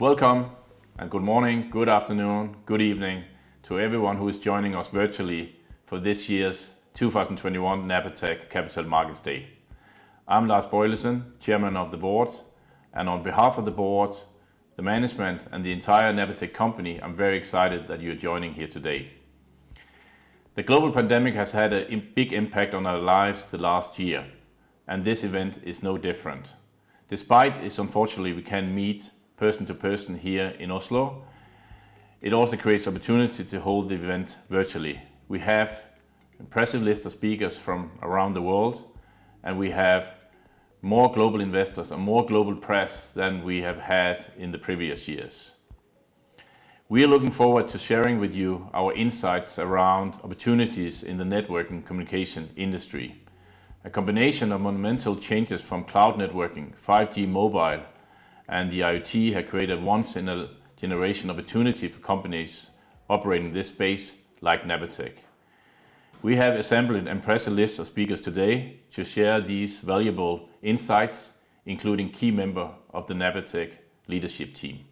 Welcome and good morning, good afternoon, good evening to everyone who is joining us virtually for this year's 2021 Napatech Capital Markets Day. I'm Lars Boilesen, Chairman of the Board, and on behalf of the Board, the management, and the entire Napatech company, I'm very excited that you're joining here today. The global pandemic has had a big impact on our lives the last year, and this event is no different. Despite this, unfortunately, we can't meet person to person here in Oslo, it also creates opportunity to hold the event virtually. We have impressive list of speakers from around the world, and we have more global investors and more global press than we have had in the previous years. We are looking forward to sharing with you our insights around opportunities in the network and communication industry. A combination of monumental changes from cloud networking, 5G mobile, and the IoT have created a once in a generation opportunity for companies operating this space like Napatech. We have assembled an impressive list of speakers today to share these valuable insights, including key member of the Napatech leadership team.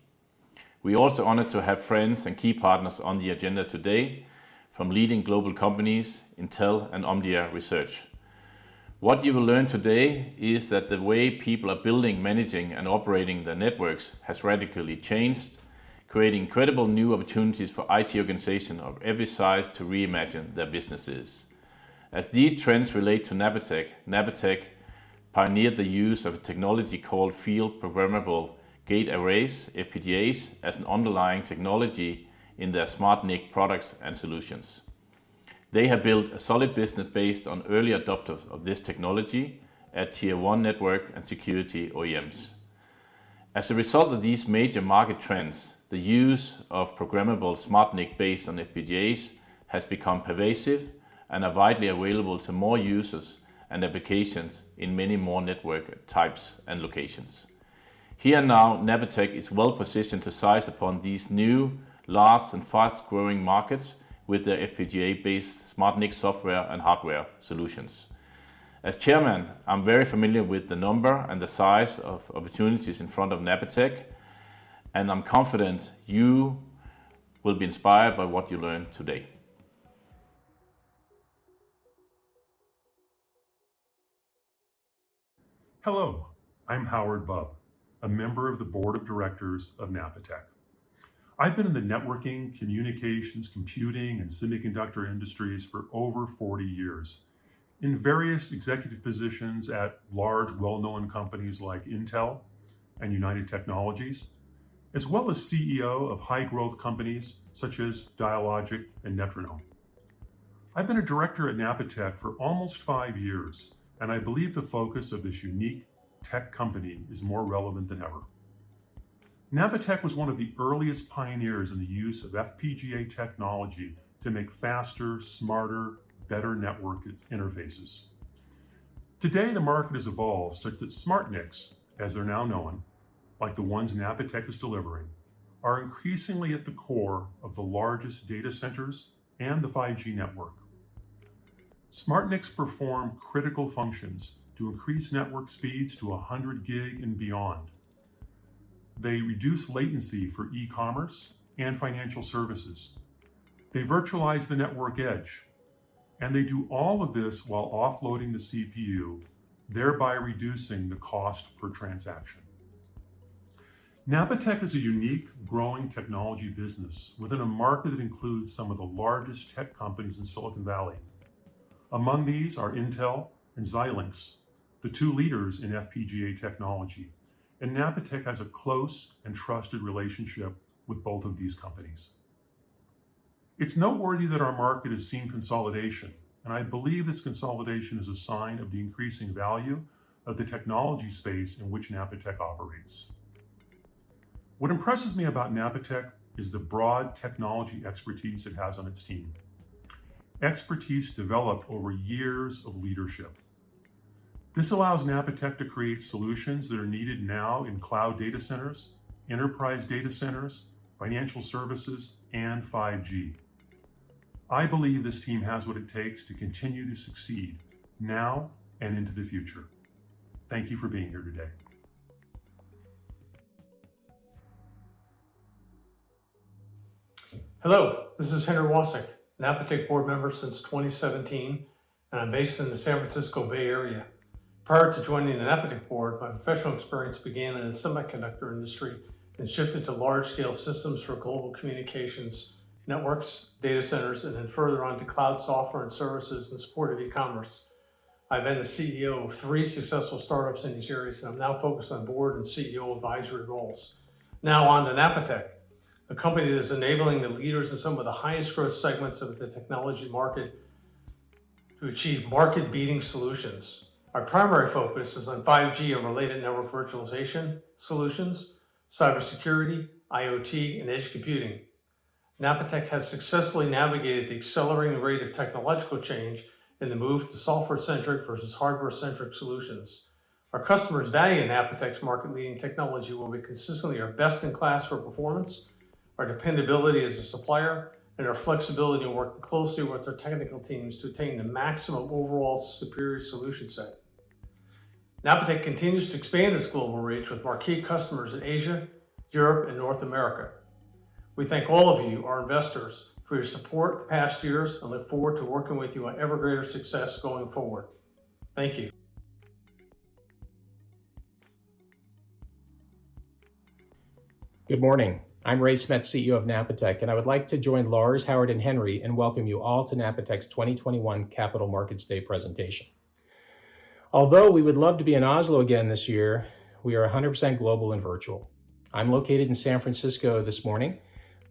We are also honored to have friends and key partners on the agenda today from leading global companies Intel and Omdia. What you will learn today is that the way people are building, managing, and operating their networks has radically changed, creating incredible new opportunities for IT organization of every size to reimagine their businesses. As these trends relate to Napatech pioneered the use of a technology called field programmable gate arrays, FPGAs, as an underlying technology in their SmartNIC products and solutions. They have built a solid business based on early adopters of this technology at tier 1 network and security OEMs. As a result of these major market trends, the use of programmable SmartNIC based on FPGAs has become pervasive and are widely available to more users and applications in many more network types and locations. Here now, Napatech is well positioned to seize upon these new, large, and fast-growing markets with their FPGA-based SmartNIC software and hardware solutions. As chairman, I'm very familiar with the number and the size of opportunities in front of Napatech, and I'm confident you will be inspired by what you learn today. Hello, I'm Howard Bubb, a member of the board of directors of Napatech. I've been in the networking, communications, computing, and semiconductor industries for over 40 years in various executive positions at large well-known companies like Intel and United Technologies, as well as CEO of high growth companies such as Dialogic and Netronome. I've been a director at Napatech for almost five years, and I believe the focus of this unique tech company is more relevant than ever. Napatech was one of the earliest pioneers in the use of FPGA technology to make faster, smarter, better network interfaces. Today, the market has evolved such that SmartNICs, as they're now known, like the ones Napatech is delivering, are increasingly at the core of the largest data centers and the 5G network. SmartNICs perform critical functions to increase network speeds to 100G and beyond. They reduce latency for e-commerce and financial services. They virtualize the network edge, and they do all of this while offloading the CPU, thereby reducing the cost per transaction. Napatech is a unique growing technology business within a market that includes some of the largest tech companies in Silicon Valley. Among these are Intel and Xilinx, the two leaders in FPGA technology, and Napatech has a close and trusted relationship with both of these companies. It's noteworthy that our market has seen consolidation, and I believe this consolidation is a sign of the increasing value of the technology space in which Napatech operates. What impresses me about Napatech is the broad technology expertise it has on its team, expertise developed over years of leadership. This allows Napatech to create solutions that are needed now in cloud data centers, enterprise data centers, financial services, and 5G. I believe this team has what it takes to continue to succeed now and into the future. Thank you for being here today. Hello, this is Henry Wasik, a Napatech board member since 2017, and I'm based in the San Francisco Bay Area. Prior to joining the Napatech board, my professional experience began in the semiconductor industry and shifted to large scale systems for global communications networks, data centers, and then further on to cloud software and services in support of e-commerce. I've been a CEO of three successful startups in these areas, and I'm now focused on board and CEO advisory roles. Now on to Napatech, a company that's enabling the leaders in some of the highest growth segments of the technology market to achieve market-beating solutions. Our primary focus is on 5G and related network virtualization solutions, cybersecurity, IoT, and edge computing. Napatech has successfully navigated the accelerating rate of technological change in the move to software-centric versus hardware-centric solutions. Our customers' value in Napatech's market-leading technology will be consistently our best-in-class for performance, our dependability as a supplier, and our flexibility in working closely with our technical teams to attain the maximum overall superior solution set. Napatech continues to expand its global reach with marquee customers in Asia, Europe, and North America. We thank all of you, our investors, for your support the past years, and look forward to working with you on ever greater success going forward. Thank you. Good morning. I'm Ray Smets, CEO of Napatech, and I would like to join Lars, Howard, and Henry and welcome you all to Napatech's 2021 Capital Markets Day presentation. Although we would love to be in Oslo again this year, we are 100% global and virtual. I'm located in San Francisco this morning,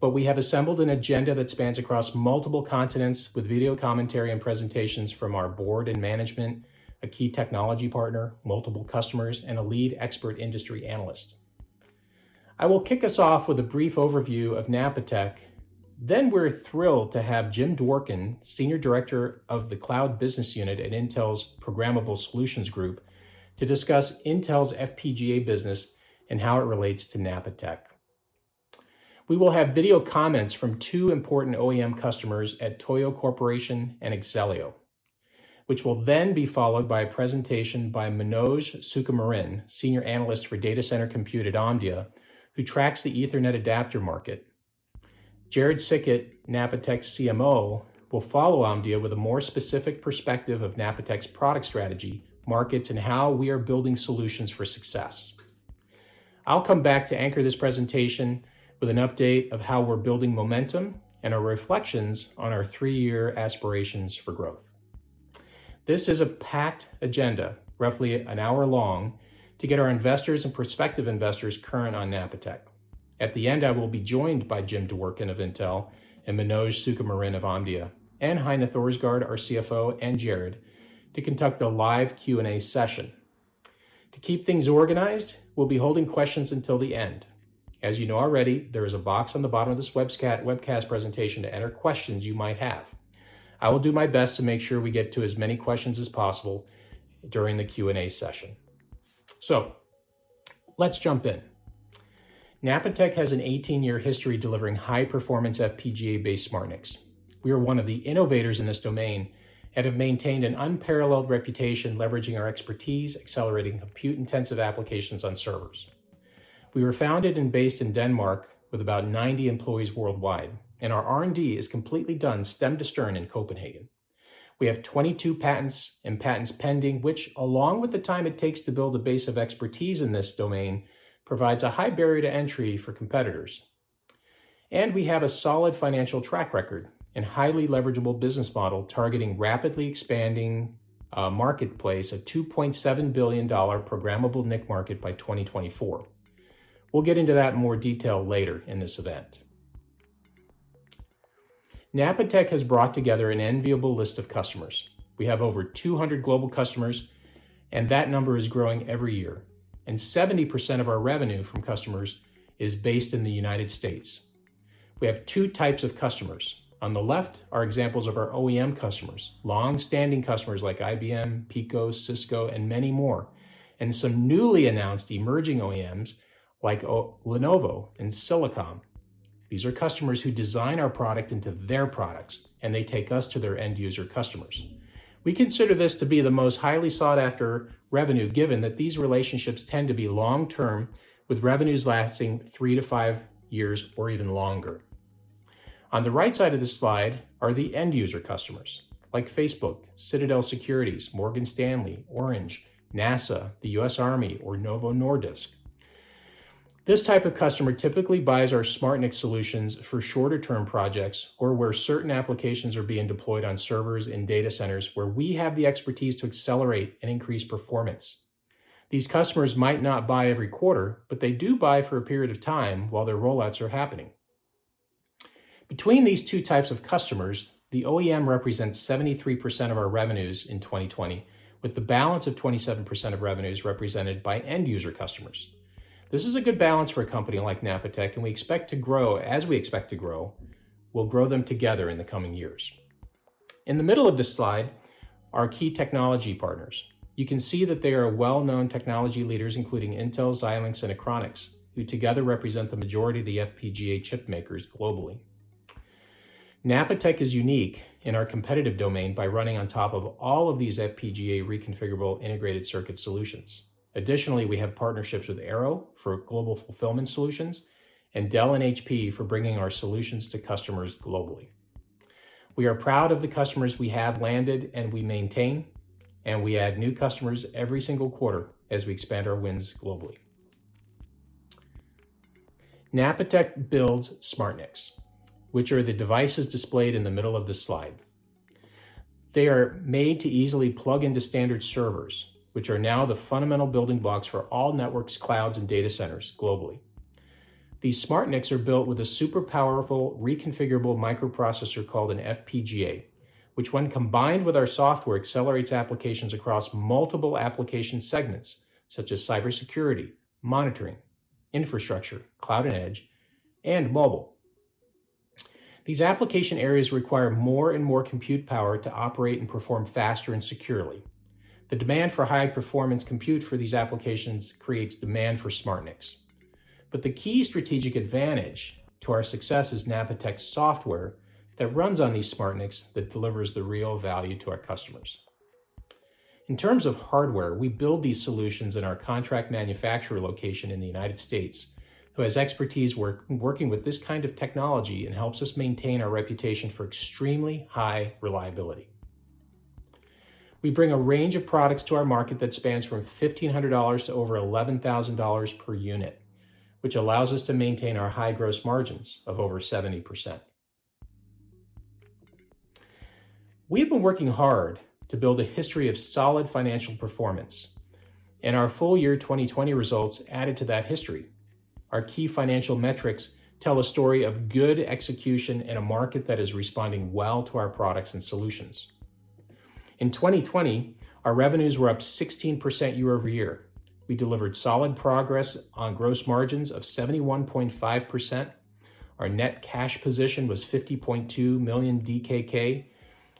but we have assembled an agenda that spans across multiple continents with video commentary and presentations from our board and management, a key technology partner, multiple customers, and a lead expert industry analyst. I will kick us off with a brief overview of Napatech. We're thrilled to have Jim Dworkin, Senior Director of the Cloud Business Unit at Intel's Programmable Solutions Group, to discuss Intel's FPGA business and how it relates to Napatech. We will have video comments from two important OEM customers at TOYO Corporation and Axellio, which will then be followed by a presentation by Manoj Sukumaran, Senior Analyst for Data Center Compute at Omdia, who tracks the Ethernet adapter market. Jarrod Siket, Napatech's CMO, will follow Omdia with a more specific perspective of Napatech's product strategy, markets, and how we are building solutions for success. I'll come back to anchor this presentation with an update of how we're building momentum and our reflections on our three-year aspirations for growth. This is a packed agenda, roughly an hour long, to get our investors and prospective investors current on Napatech. At the end, I will be joined by Jim Dworkin of Intel and Manoj Sukumaran of Omdia, and Heine Thorsgaard, our CFO, and Jarrod to conduct a live Q&A session. To keep things organized, we'll be holding questions until the end. As you know already, there is a box on the bottom of this webcast presentation to enter questions you might have. I will do my best to make sure we get to as many questions as possible during the Q&A session. Let's jump in. Napatech has an 18-year history delivering high-performance FPGA-based SmartNICs. We are one of the innovators in this domain and have maintained an unparalleled reputation leveraging our expertise accelerating compute-intensive applications on servers. We were founded and based in Denmark with about 90 employees worldwide, and our R&D is completely done stem to stern in Copenhagen. We have 22 patents and patents pending, which along with the time it takes to build a base of expertise in this domain, provides a high barrier to entry for competitors. We have a solid financial track record and highly leverageable business model targeting rapidly expanding marketplace, a $2.7 billion programmable NIC market by 2024. We'll get into that in more detail later in this event. Napatech has brought together an enviable list of customers. We have over 200 global customers, and that number is growing every year, and 70% of our revenue from customers is based in the U.S. We have two types of customers. On the left are examples of our OEM customers, longstanding customers like IBM, Pico, Cisco, and many more, and some newly announced emerging OEMs like Lenovo and Silicom. These are customers who design our product into their products, and they take us to their end user customers. We consider this to be the most highly sought-after revenue, given that these relationships tend to be long-term with revenues lasting three to five years or even longer. On the right side of this slide are the end user customers like Facebook, Citadel Securities, Morgan Stanley, Orange, NASA, the U.S. Army, or Novo Nordisk. This type of customer typically buys our SmartNIC solutions for shorter-term projects or where certain applications are being deployed on servers in data centers where we have the expertise to accelerate and increase performance. These customers might not buy every quarter, they do buy for a period of time while their rollouts are happening. Between these two types of customers, the OEM represents 73% of our revenues in 2020, with the balance of 27% of revenues represented by end user customers. This is a good balance for a company like Napatech, and we expect to grow as we expect to grow. We'll grow them together in the coming years. In the middle of this slide, our key technology partners. You can see that they are well-known technology leaders, including Intel, Xilinx, and Achronix, who together represent the majority of the FPGA chip makers globally. Napatech is unique in our competitive domain by running on top of all of these FPGA reconfigurable integrated circuit solutions. Additionally, we have partnerships with Arrow for global fulfillment solutions and Dell and HP for bringing our solutions to customers globally. We are proud of the customers we have landed and we maintain, and we add new customers every single quarter as we expand our wins globally. Napatech builds SmartNICs, which are the devices displayed in the middle of this slide. They are made to easily plug into standard servers, which are now the fundamental building blocks for all networks, clouds, and data centers globally. These SmartNICs are built with a super powerful reconfigurable microprocessor called an FPGA, which when combined with our software, accelerates applications across multiple application segments such as cybersecurity, monitoring, infrastructure, cloud and edge, and mobile. These application areas require more and more compute power to operate and perform faster and securely. The demand for high-performance compute for these applications creates demand for SmartNICs. The key strategic advantage to our success is Napatech software that runs on these SmartNICs that delivers the real value to our customers. In terms of hardware, we build these solutions in our contract manufacturer location in the U.S., who has expertise working with this kind of technology and helps us maintain our reputation for extremely high reliability. We bring a range of products to our market that spans from DKK 1,500 to over DKK 11,000 per unit, which allows us to maintain our high gross margins of over 70%. We've been working hard to build a history of solid financial performance, and our full year 2020 results added to that history. Our key financial metrics tell a story of good execution in a market that is responding well to our products and solutions. In 2020, our revenues were up 16% year-over-year. We delivered solid progress on gross margins of 71.5%. Our net cash position was 50.2 million DKK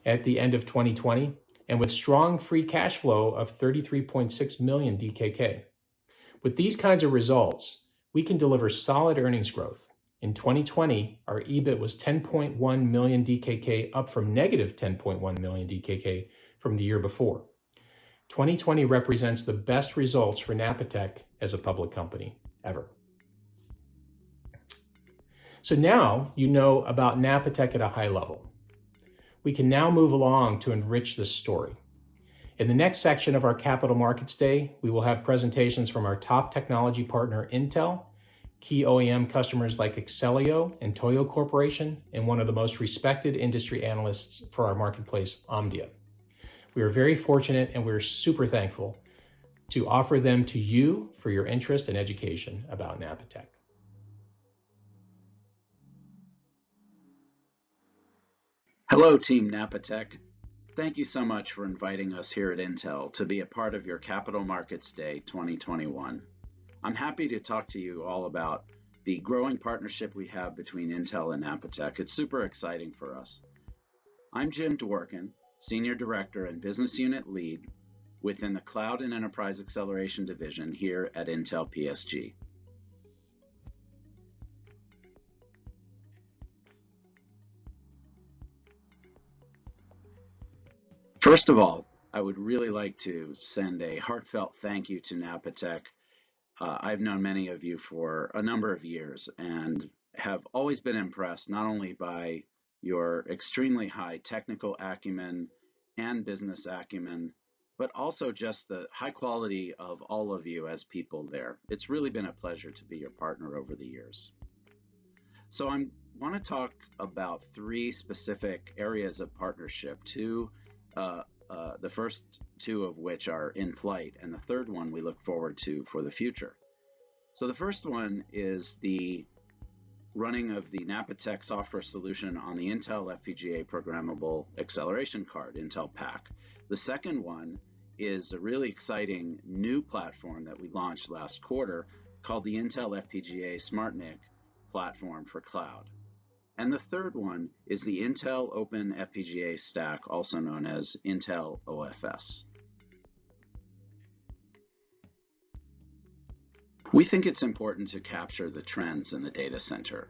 at the end of 2020, and with strong free cash flow of 33.6 million DKK. With these kinds of results, we can deliver solid earnings growth. In 2020, our EBIT was 10.1 million DKK up from -10.1 million DKK from the year before. 2020 represents the best results for Napatech as a public company ever. Now you know about Napatech at a high level. We can now move along to enrich this story. In the next section of our Capital Markets Day, we will have presentations from our top technology partner, Intel, key OEM customers like Axellio and TOYO Corporation, and one of the most respected industry analysts for our marketplace, Omdia. We are very fortunate, and we're super thankful to offer them to you for your interest and education about Napatech. Hello, Team Napatech. Thank you so much for inviting us here at Intel to be a part of your Capital Markets Day 2021. I'm happy to talk to you all about the growing partnership we have between Intel and Napatech. It's super exciting for us. I'm Jim Dworkin, Senior Director and Business Unit Lead within the Cloud and Enterprise Acceleration Division here at Intel PSG. First of all, I would really like to send a heartfelt thank you to Napatech. I've known many of you for a number of years and have always been impressed, not only by your extremely high technical acumen and business acumen, but also just the high quality of all of you as people there. It's really been a pleasure to be your partner over the years. I want to talk about three specific areas of partnership. The first two of which are in flight, and the third one we look forward to for the future. The first one is the running of the Napatech software solution on the Intel FPGA Programmable Acceleration Card, Intel PAC. The second one is a really exciting new platform that we launched last quarter called the Intel FPGA SmartNIC platform for cloud. The third one is the Intel Open FPGA Stack, also known as Intel OFS. We think it's important to capture the trends in the data center.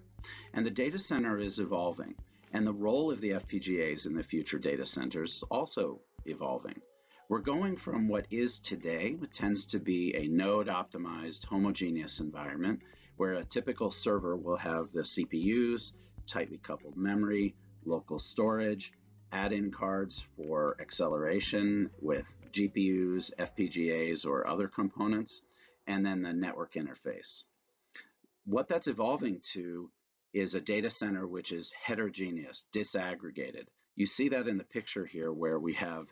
The data center is evolving, and the role of the FPGAs in the future data center is also evolving. We're going from what is today, what tends to be a node-optimized homogeneous environment where a typical server will have the CPUs, tightly coupled memory, local storage, add-in cards for acceleration with GPUs, FPGAs, or other components, and then the network interface. What that's evolving to is a data center which is heterogeneous, disaggregated. You see that in the picture here, where we have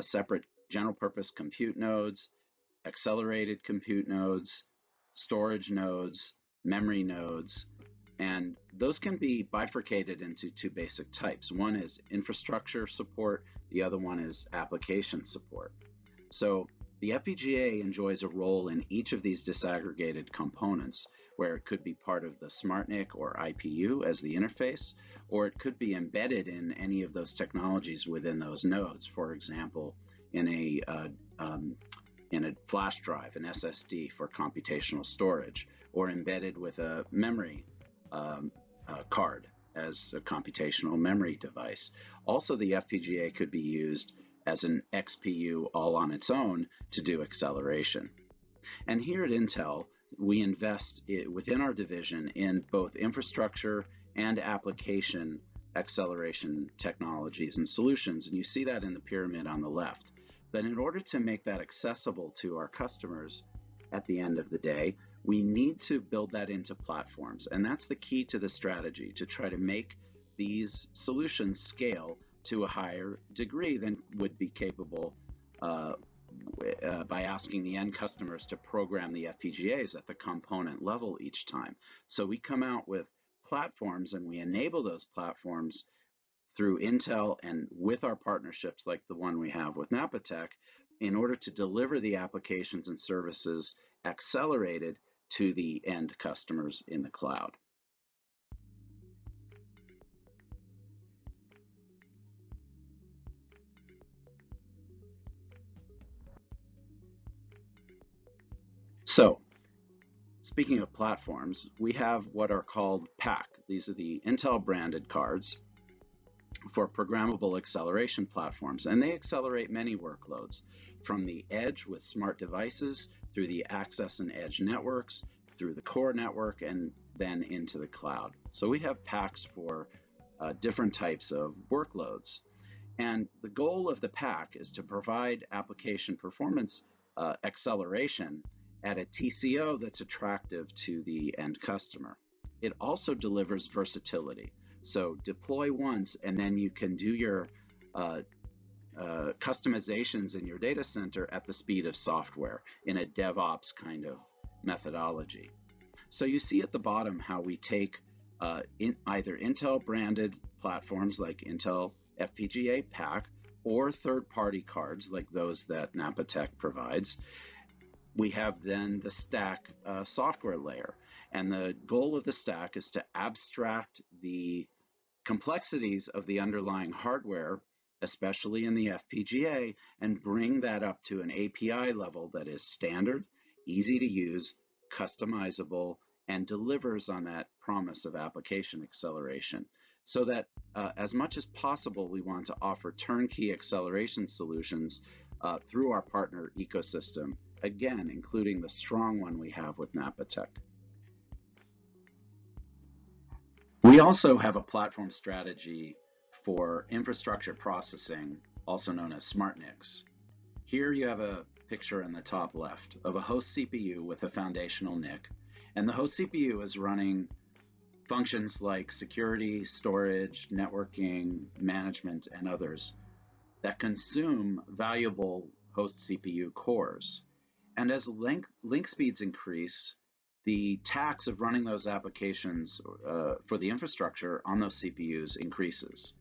separate general-purpose compute nodes, accelerated compute nodes, storage nodes, memory nodes, and those can be bifurcated into two basic types. One is infrastructure support, the other one is application support. The FPGA enjoys a role in each of these disaggregated components, where it could be part of the SmartNIC or IPU as the interface, or it could be embedded in any of those technologies within those nodes. For example, in a flash drive, an SSD for computational storage, or embedded with a memory card as a computational memory device. Also, the FPGA could be used as an XPU all on its own to do acceleration. Here at Intel, we invest within our division in both infrastructure and application acceleration technologies and solutions, and you see that in the pyramid on the left. In order to make that accessible to our customers at the end of the day, we need to build that into platforms. That's the key to the strategy, to try to make these solutions scale to a higher degree than would be capable by asking the end customers to program the FPGAs at the component level each time. We come out with platforms, and we enable those platforms through Intel and with our partnerships like the one we have with Napatech, in order to deliver the applications and services accelerated to the end customers in the cloud. Speaking of platforms, we have what are called PAC. These are the Intel-branded cards for programmable acceleration platforms, and they accelerate many workloads from the edge with smart devices, through the access and edge networks, through the core network, and then into the cloud. We have PACs for different types of workloads. The goal of the PAC is to provide application performance acceleration at a TCO that's attractive to the end customer. It also delivers versatility. Deploy once, and then you can do your customizations in your data center at the speed of software in a DevOps kind of methodology. You see at the bottom how we take either Intel-branded platforms like Intel FPGA PAC or third-party cards like those that Napatech provides. We have the stack software layer. The goal of the stack is to abstract the complexities of the underlying hardware, especially in the FPGA, and bring that up to an API level that is standard, easy to use, customizable, and delivers on that promise of application acceleration. That as much as possible, we want to offer turnkey acceleration solutions through our partner ecosystem, again, including the strong one we have with Napatech. We also have a platform strategy for infrastructure processing, also known as SmartNICs. Here you have a picture in the top left of a host CPU with a foundational NIC, and the host CPU is running functions like security, storage, networking, management, and others that consume valuable host CPU cores. As link speeds increase, the tax of running those applications for the infrastructure on those CPUs increases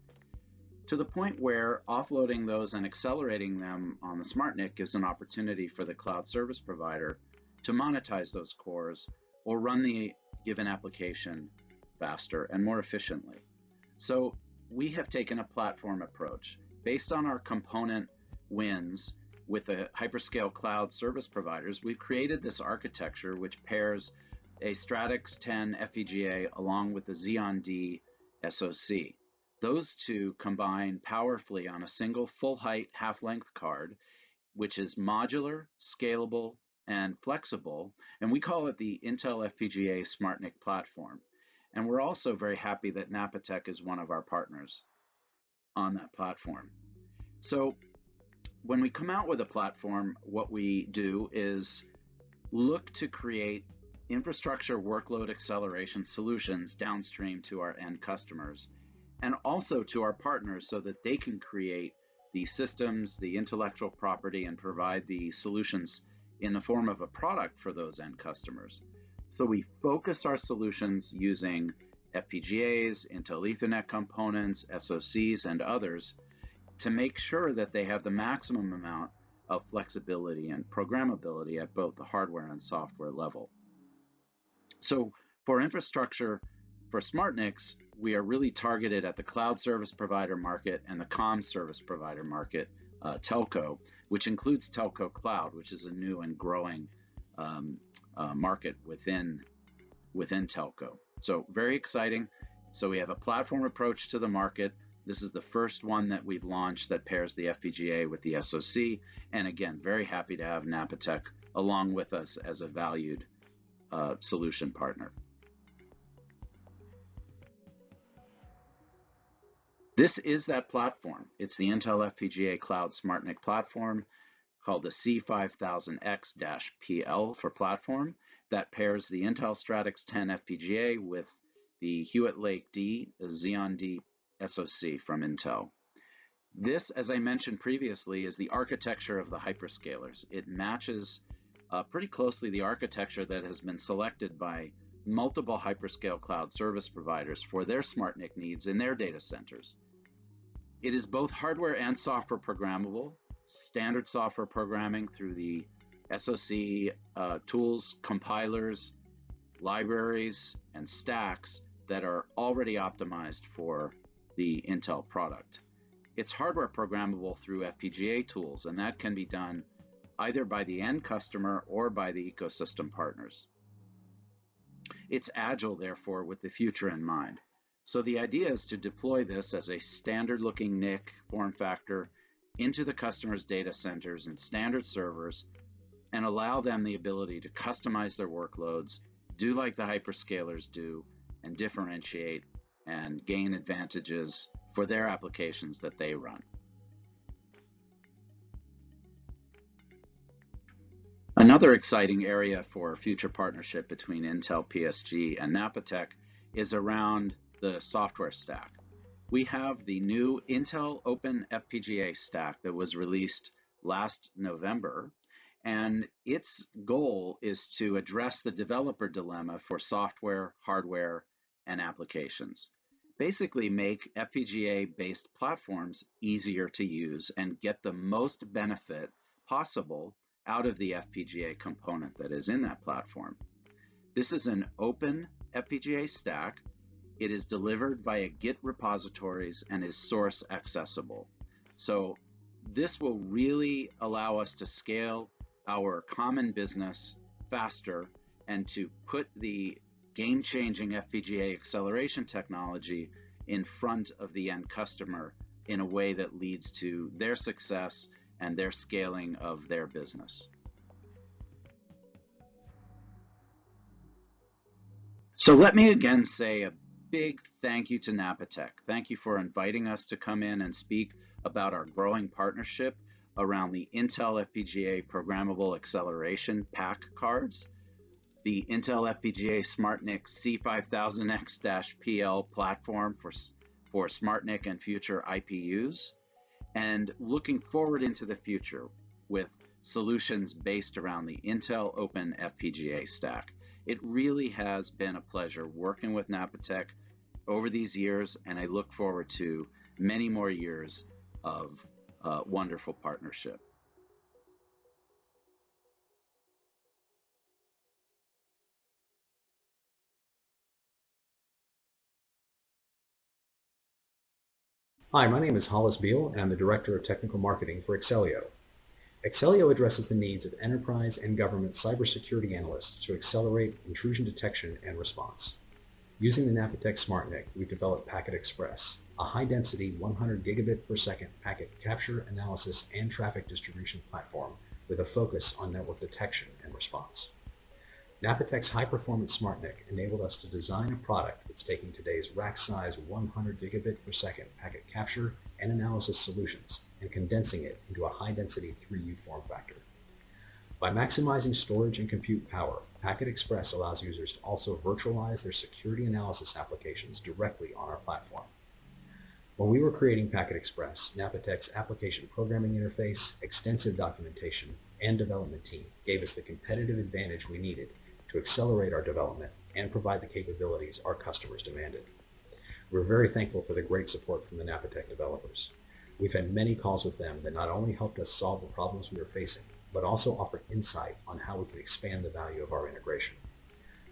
to the point where offloading those and accelerating them on the SmartNIC is an opportunity for the cloud service provider to monetize those cores or run the given application faster and more efficiently. We have taken a platform approach. Based on our component wins with the hyperscale cloud service providers, we've created this architecture, which pairs a Stratix 10 FPGA along with a Xeon D SoC. Those two combine powerfully on a single full-height, half-length card, which is modular, scalable, and flexible, and we call it the Intel FPGA SmartNIC platform. We're also very happy that Napatech is one of our partners on that platform. When we come out with a platform, what we do is look to create infrastructure workload acceleration solutions downstream to our end customers and also to our partners so that they can create the systems, the intellectual property, and provide the solutions in the form of a product for those end customers. We focus our solutions using FPGAs, Intel Ethernet components, SoCs, and others to make sure that they have the maximum amount of flexibility and programmability at both the hardware and software level. For infrastructure for SmartNICs, we are really targeted at the cloud service provider market and the comm service provider market, telco, which includes telco cloud, which is a new and growing market within telco. Very exciting. We have a platform approach to the market. This is the first one that we've launched that pairs the FPGA with the SoC, and again, very happy to have Napatech along with us as a valued solution partner. This is that platform. It's the Intel FPGA Cloud SmartNIC platform called the C5000X-PL, for platform. That pairs the Intel Stratix 10 FPGA with the Hewitt Lake D, the Xeon D SoC from Intel. This, as I mentioned previously, is the architecture of the hyperscalers. It matches pretty closely the architecture that has been selected by multiple hyperscale cloud service providers for their SmartNIC needs in their data centers. It is both hardware and software programmable, standard software programming through the SoC tools, compilers, libraries, and stacks that are already optimized for the Intel product. It's hardware programmable through FPGA tools, and that can be done either by the end customer or by the ecosystem partners. It's agile, therefore, with the future in mind. The idea is to deploy this as a standard-looking NIC form factor into the customer's data centers and standard servers and allow them the ability to customize their workloads, do like the hyperscalers do, and differentiate and gain advantages for their applications that they run. Another exciting area for future partnership between Intel PSG and Napatech is around the software stack. We have the new Intel Open FPGA Stack that was released last November, and its goal is to address the developer dilemma for software, hardware, and applications. Basically make FPGA-based platforms easier to use and get the most benefit possible out of the FPGA component that is in that platform. This is an open FPGA stack. It is delivered via Git repositories and is source accessible. This will really allow us to scale our common business faster and to put the game-changing FPGA acceleration technology in front of the end customer in a way that leads to their success and their scaling of their business. Let me again say a big thank you to Napatech. Thank you for inviting us to come in and speak about our growing partnership around the Intel FPGA Programmable Acceleration PAC cards, the Intel FPGA SmartNIC C5000X-PL platform for SmartNIC and future IPUs, and looking forward into the future with solutions based around the Intel Open FPGA Stack. It really has been a pleasure working with Napatech over these years, and I look forward to many more years of wonderful partnership. Hi, my name is Hollis Beall. I'm the Director of Technical Marketing for Axellio. Axellio addresses the needs of enterprise and government cybersecurity analysts to accelerate intrusion detection and response. Using the Napatech SmartNIC, we developed PacketXpress, a high-density 100 Gb per second packet capture analysis and traffic distribution platform with a focus on network detection and response. Napatech's high-performance SmartNIC enabled us to design a product that's taking today's rack size 100 Gb per second packet capture and analysis solutions and condensing it into a high-density 3U form factor. By maximizing storage and compute power, PacketXpress allows users to also virtualize their security analysis applications directly on our platform. When we were creating PacketXpress, Napatech's application programming interface, extensive documentation, and development team gave us the competitive advantage we needed to accelerate our development and provide the capabilities our customers demanded. We're very thankful for the great support from the Napatech developers. We've had many calls with them that not only helped us solve the problems we were facing, but also offered insight on how we could expand the value of our integration.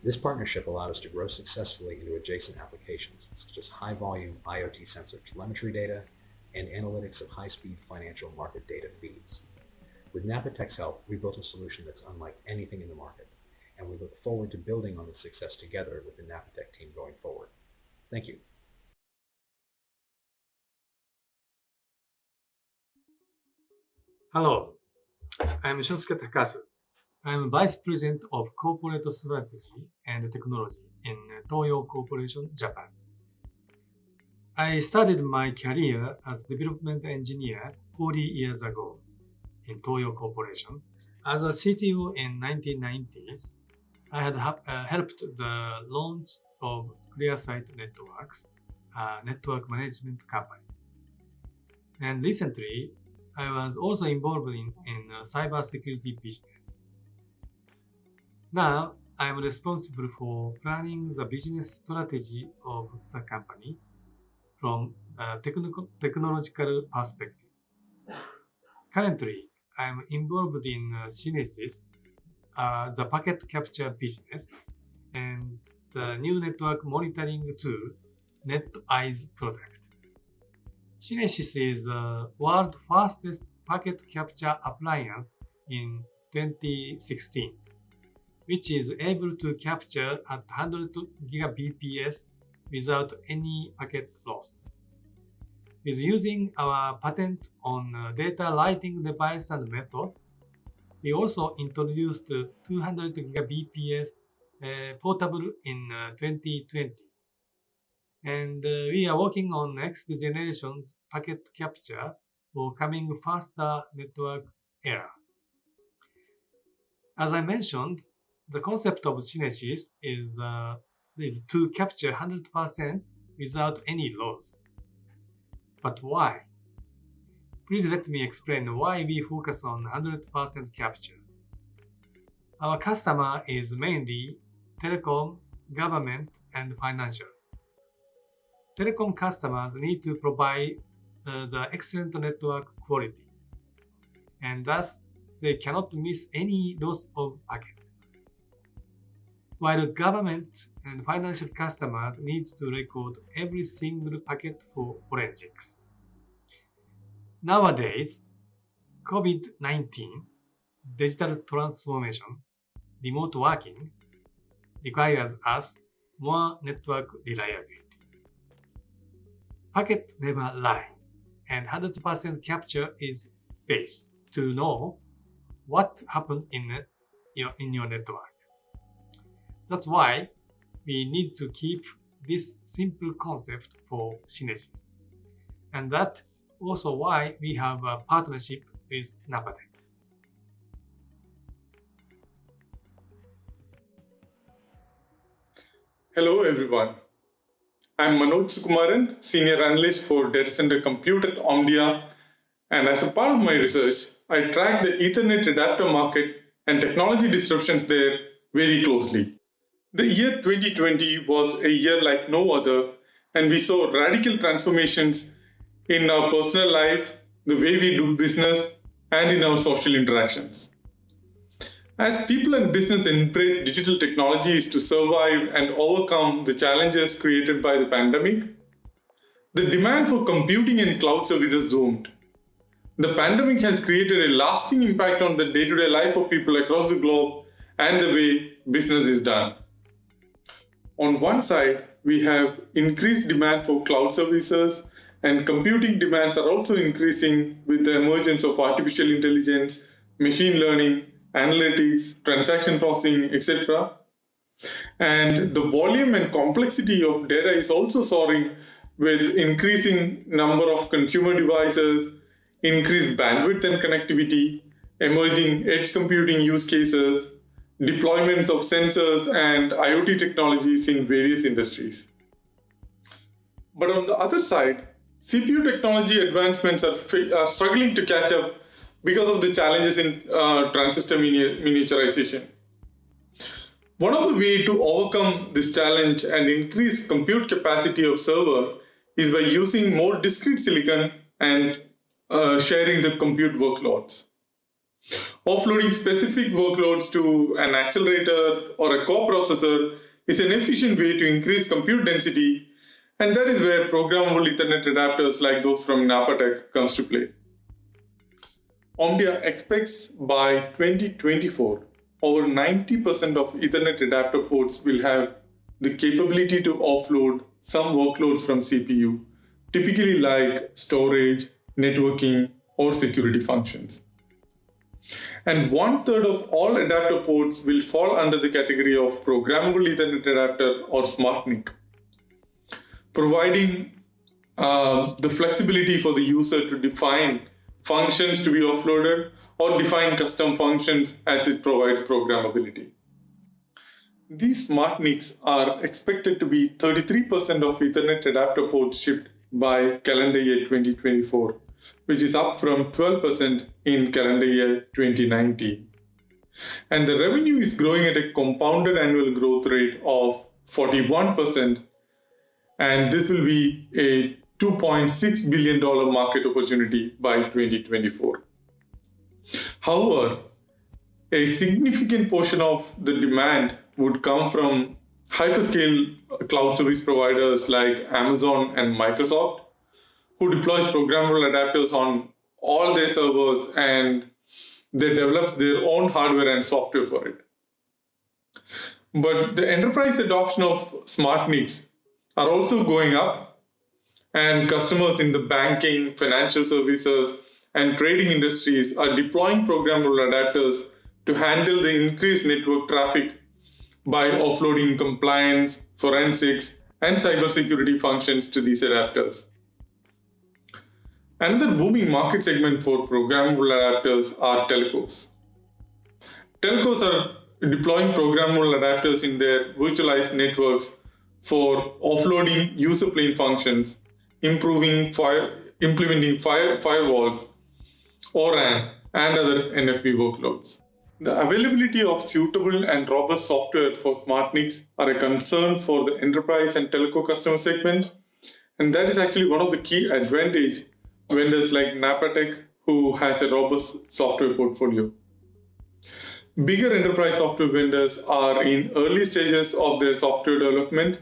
This partnership allowed us to grow successfully into adjacent applications, such as high volume IoT sensor telemetry data and analytics of high-speed financial market data feeds. With Napatech's help, we built a solution that's unlike anything in the market, and we look forward to building on the success together with the Napatech team going forward. Thank you. Hello, I'm Shunsuke Takasu. I'm Vice President of Corporate Strategy and Technology in TOYO Corporation, Japan. I started my career as development engineer 40 years ago in TOYO Corporation. As a CTO in 1990s, I had helped the launch of ClearSight Networks, a network management company. Recently, I was also involved in cybersecurity business. Now, I am responsible for planning the business strategy of the company from a technological perspective. Currently, I am involved in SYNESIS, the packet capture business, and the new network monitoring tool, NetEye product. SYNESIS is a world fastest packet capture appliance in 2016, which is able to capture at 100 gigabps without any packet loss. With using our patent on data writing device and method, we also introduced 200 gigabps portable in 2020. We are working on next generations packet capture for coming faster network era. As I mentioned, the concept of SYNESIS is to capture 100% without any loss. Why? Please let me explain why we focus on 100% capture. Our customer is mainly telecom, government, and financial. Telecom customers need to provide the excellent network quality, and thus, they cannot miss any loss of packet. While government and financial customers needs to record every single packet for forensics. Nowadays, COVID-19, digital transformation, remote working, requires us more network reliability. Packet never lie, 100% capture is base to know what happened in your network. That's why we need to keep this simple concept for SYNESIS, that also why we have a partnership with Napatech. Hello, everyone. I'm Manoj Sukumaran, Senior Analyst for Datacenter Compute at Omdia. As a part of my research, I tracked the Ethernet adapter market and technology disruptions there very closely. The year 2020 was a year like no other. We saw radical transformations in our personal lives, the way we do business, and in our social interactions. As people and business embrace digital technologies to survive and overcome the challenges created by the pandemic, the demand for computing and cloud services zoomed. The pandemic has created a lasting impact on the day-to-day life of people across the globe and the way business is done. On one side, we have increased demand for cloud services. Computing demands are also increasing with the emergence of artificial intelligence, machine learning, analytics, transaction processing, et cetera. The volume and complexity of data is also soaring with increasing number of consumer devices, increased bandwidth and connectivity, emerging edge computing use cases, deployments of sensors, and IoT technologies in various industries. On the other side, CPU technology advancements are struggling to catch up because of the challenges in transistor miniaturization. One of the way to overcome this challenge and increase compute capacity of server is by using more discrete silicon and sharing the compute workloads. Offloading specific workloads to an accelerator or a core processor is an efficient way to increase compute density, and that is where programmable Ethernet adapters like those from Napatech comes to play. Omdia expects by 2024, over 90% of Ethernet adapter ports will have the capability to offload some workloads from CPU, typically like storage, networking, or security functions. 1/3 of all adapter ports will fall under the category of programmable Ethernet adapter or SmartNIC, providing the flexibility for the user to define functions to be offloaded or define custom functions as it provides programmability. These SmartNICs are expected to be 33% of Ethernet adapter ports shipped by calendar year 2024, which is up from 12% in calendar year 2019. The revenue is growing at a compounded annual growth rate of 41%, and this will be a $2.6 billion market opportunity by 2024. However, a significant portion of the demand would come from hyperscale cloud service providers like Amazon and Microsoft who deploy programmable adapters on all their servers, and they develop their own hardware and software for it. The enterprise adoption of SmartNICs are also going up, and customers in the banking, financial services, and trading industries are deploying programmable adapters to handle the increased network traffic by offloading compliance, forensics, and cybersecurity functions to these adapters. Another booming market segment for programmable adapters are telcos. Telcos are deploying programmable adapters in their virtualized networks for offloading user plane functions, implementing firewalls, O-RAN, and other NFV workloads. The availability of suitable and robust software for SmartNICs are a concern for the enterprise and telco customer segments, and that is actually one of the key advantage vendors like Napatech who has a robust software portfolio. Bigger enterprise software vendors are in early stages of their software development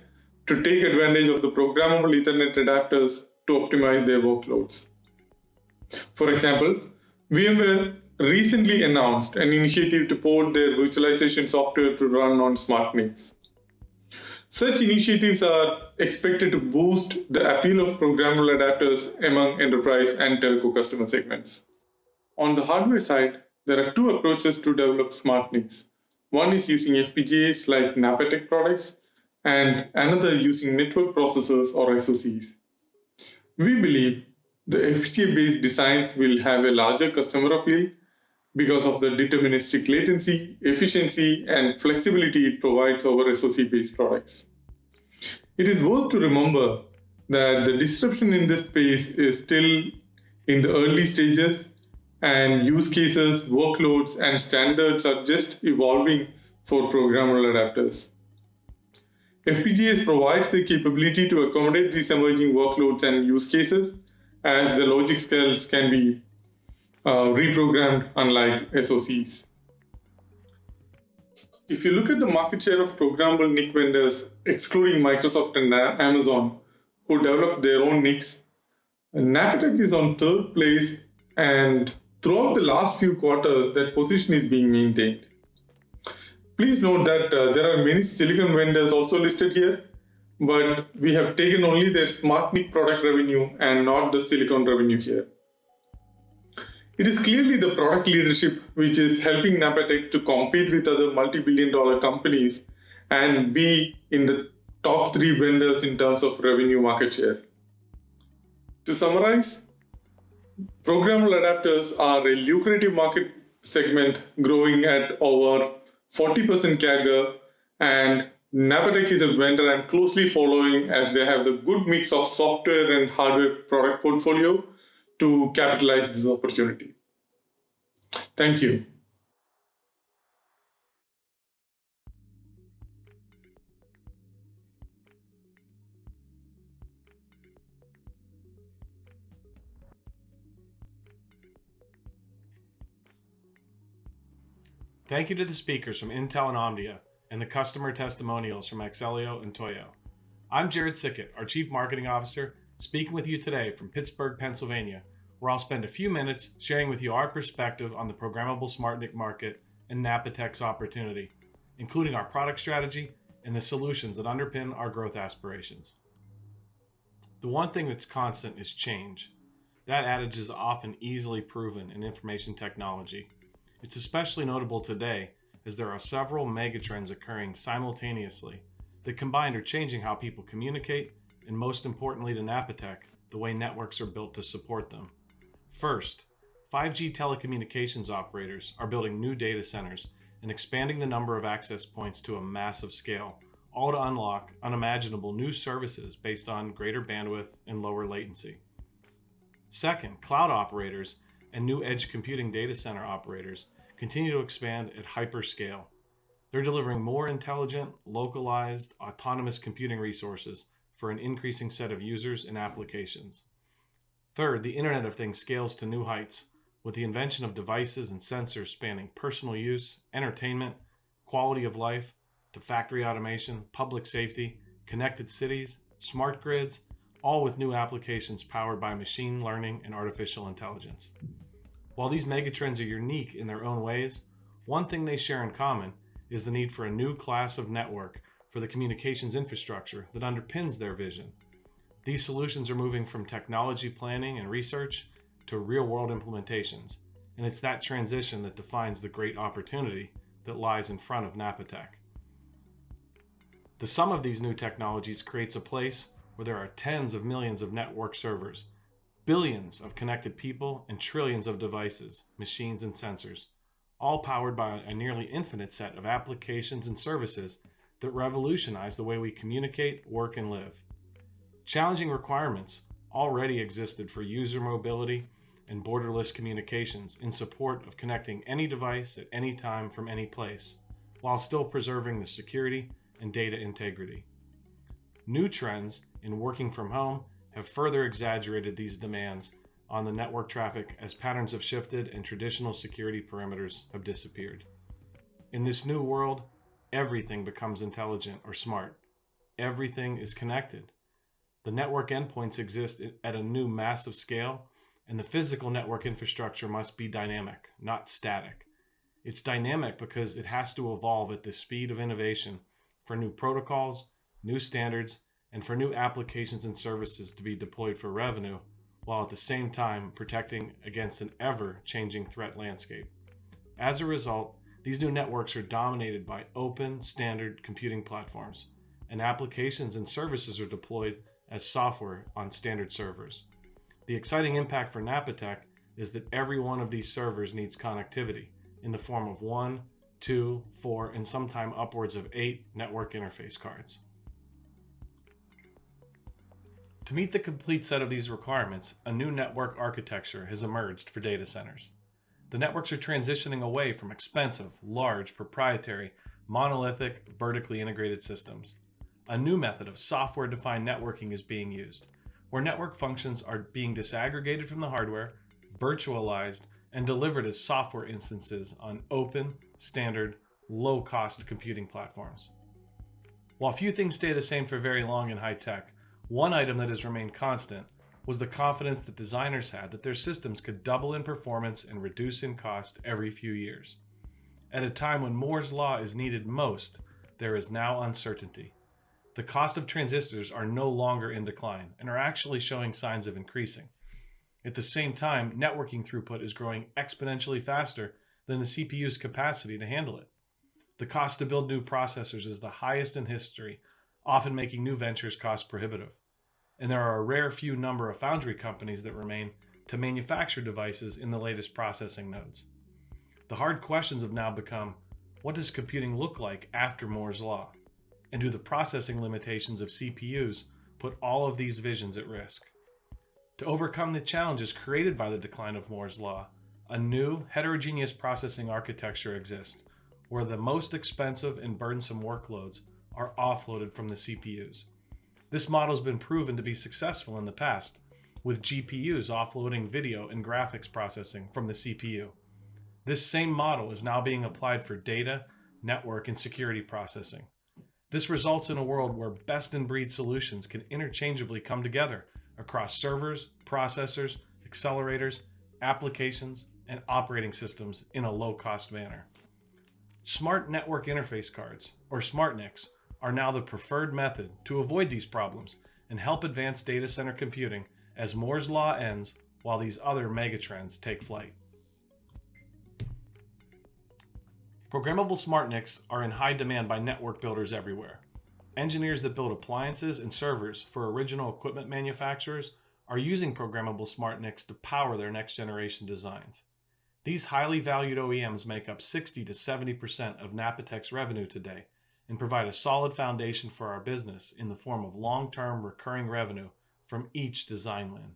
to take advantage of the programmable Ethernet adapters to optimize their workloads. For example, VMware recently announced an initiative to port their virtualization software to run on SmartNICs. Such initiatives are expected to boost the appeal of programmable adapters among enterprise and telco customer segments. On the hardware side, there are two approaches to develop SmartNICs. One is using FPGAs like Napatech products and another using network processors or SoCs. We believe the FPGA-based designs will have a larger customer appeal because of the deterministic latency, efficiency, and flexibility it provides over SoC-based products. It is worth to remember that the disruption in this space is still in the early stages and use cases, workloads, and standards are just evolving for programmable adapters. FPGAs provides the capability to accommodate these emerging workloads and use cases as the logic scales can be reprogrammed unlike SoCs. If you look at the market share of programmable NIC vendors, excluding Microsoft and Amazon, who develop their own NICs, Napatech is on third place and throughout the last few quarters, that position is being maintained. Please note that there are many silicon vendors also listed here, but we have taken only their SmartNIC product revenue and not the silicon revenue share. It is clearly the product leadership which is helping Napatech to compete with other multi-billion dollar companies and be in the top three vendors in terms of revenue market share. To summarize, programmable adapters are a lucrative market segment growing at over 40% CAGR. Napatech is a vendor I'm closely following as they have the good mix of software and hardware product portfolio to capitalize this opportunity. Thank you. Thank you to the speakers from Intel and Omdia, and the customer testimonials from Axellio and TOYO. I'm Jarrod Siket, our Chief Marketing Officer, speaking with you today from Pittsburgh, Pennsylvania, where I'll spend a few minutes sharing with you our perspective on the programmable SmartNIC market and Napatech's opportunity, including our product strategy and the solutions that underpin our growth aspirations. The one thing that's constant is change. That adage is often easily proven in information technology. It's especially notable today as there are several mega trends occurring simultaneously that combined are changing how people communicate, and most importantly to Napatech, the way networks are built to support them. First, 5G telecommunications operators are building new data centers and expanding the number of access points to a massive scale, all to unlock unimaginable new services based on greater bandwidth and lower latency. Second, cloud operators and new edge computing data center operators continue to expand at hyperscale. They're delivering more intelligent, localized, autonomous computing resources for an increasing set of users and applications. Third, the Internet of Things scales to new heights with the invention of devices and sensors spanning personal use, entertainment, quality of life, to factory automation, public safety, connected cities, smart grids, all with new applications powered by machine learning and artificial intelligence. While these mega trends are unique in their own ways, one thing they share in common is the need for a new class of network for the communications infrastructure that underpins their vision. These solutions are moving from technology planning and research to real-world implementations, and it's that transition that defines the great opportunity that lies in front of Napatech. The sum of these new technologies creates a place where there are tens of millions of network servers, billions of connected people, and trillions of devices, machines, and sensors, all powered by a nearly infinite set of applications and services that revolutionize the way we communicate, work, and live. Challenging requirements already existed for user mobility and borderless communications in support of connecting any device at any time from any place while still preserving the security and data integrity. New trends in working from home have further exaggerated these demands on the network traffic as patterns have shifted and traditional security perimeters have disappeared. In this new world, everything becomes intelligent or smart. Everything is connected. The network endpoints exist at a new massive scale, and the physical network infrastructure must be dynamic, not static. It's dynamic because it has to evolve at the speed of innovation for new protocols, new standards, and for new applications and services to be deployed for revenue, while at the same time protecting against an ever-changing threat landscape. As a result, these new networks are dominated by open standard computing platforms and applications and services are deployed as software on standard servers. The exciting impact for Napatech is that every one of these servers needs connectivity in the form of one, two, four, and sometime upwards of eight network interface cards. To meet the complete set of these requirements, a new network architecture has emerged for data centers. The networks are transitioning away from expensive, large, proprietary, monolithic, vertically integrated systems. A new method of software-defined networking is being used where network functions are being disaggregated from the hardware, virtualized, and delivered as software instances on open, standard, low-cost computing platforms. While few things stay the same for very long in high tech, one item that has remained constant was the confidence that designers had that their systems could double in performance and reduce in cost every few years. At a time when Moore's Law is needed most, there is now uncertainty. The cost of transistors are no longer in decline and are actually showing signs of increasing. At the same time, networking throughput is growing exponentially faster than the CPU's capacity to handle it. The cost to build new processors is the highest in history, often making new ventures cost prohibitive, and there are a rare few number of foundry companies that remain to manufacture devices in the latest processing nodes. The hard questions have now become: What does computing look like after Moore's Law? Do the processing limitations of CPUs put all of these visions at risk? To overcome the challenges created by the decline of Moore's Law, a new heterogeneous processing architecture exists where the most expensive and burdensome workloads are offloaded from the CPUs. This model's been proven to be successful in the past with GPUs offloading video and graphics processing from the CPU. This same model is now being applied for data, network, and security processing. This results in a world where best-in-breed solutions can interchangeably come together across servers, processors, accelerators, applications, and operating systems in a low-cost manner. Smart Network Interface Cards, or SmartNICs, are now the preferred method to avoid these problems and help advance data center computing as Moore's Law ends while these other mega trends take flight. Programmable SmartNICs are in high demand by network builders everywhere. Engineers that build appliances and servers for Original Equipment Manufacturers are using programmable SmartNICs to power their next generation designs. These highly valued OEMs make up 60%-70% of Napatech's revenue today and provide a solid foundation for our business in the form of long-term recurring revenue from each design win.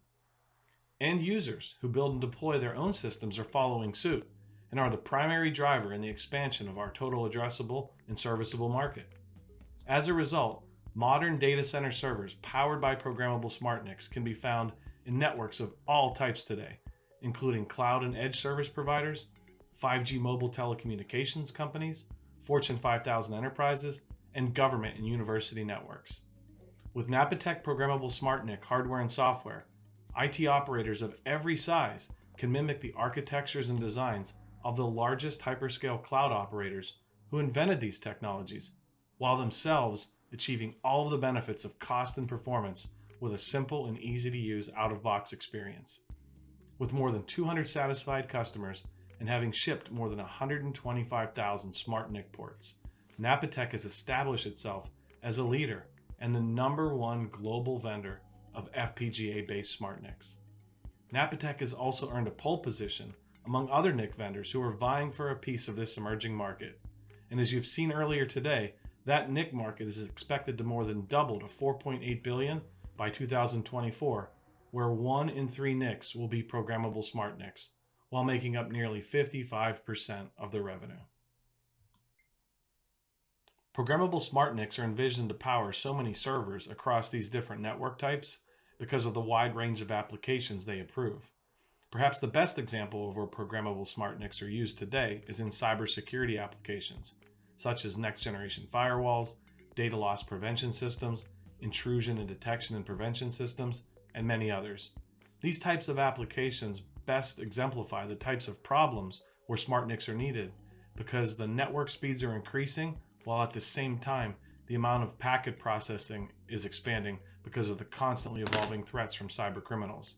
End users who build and deploy their own systems are following suit and are the primary driver in the expansion of our total addressable and serviceable market. As a result, modern data center servers powered by programmable SmartNICs can be found in networks of all types today, including cloud and edge service providers, 5G mobile telecommunications companies, Fortune 5,000 enterprises, and government and university networks. With Napatech programmable SmartNIC hardware and software, IT operators of every size can mimic the architectures and designs of the largest hyperscale cloud operators who invented these technologies, while themselves achieving all the benefits of cost and performance with a simple and easy to use out-of-box experience. With more than 200 satisfied customers and having shipped more than 125,000 SmartNIC ports, Napatech has established itself as a leader and the number one global vendor of FPGA-based SmartNICs. Napatech has also earned a pole position among other NIC vendors who are vying for a piece of this emerging market. As you've seen earlier today, that NIC market is expected to more than double to 4.8 billion by 2024, where one in three NICs will be programmable SmartNICs, while making up nearly 55% of the revenue. Programmable SmartNICs are envisioned to power so many servers across these different network types because of the wide range of applications they improve. Perhaps the best example of where programmable SmartNICs are used today is in cybersecurity applications, such as next generation firewalls, data loss prevention systems, intrusion and detection and prevention systems, and many others. These types of applications best exemplify the types of problems where SmartNICs are needed because the network speeds are increasing, while at the same time, the amount of packet processing is expanding because of the constantly evolving threats from cyber criminals.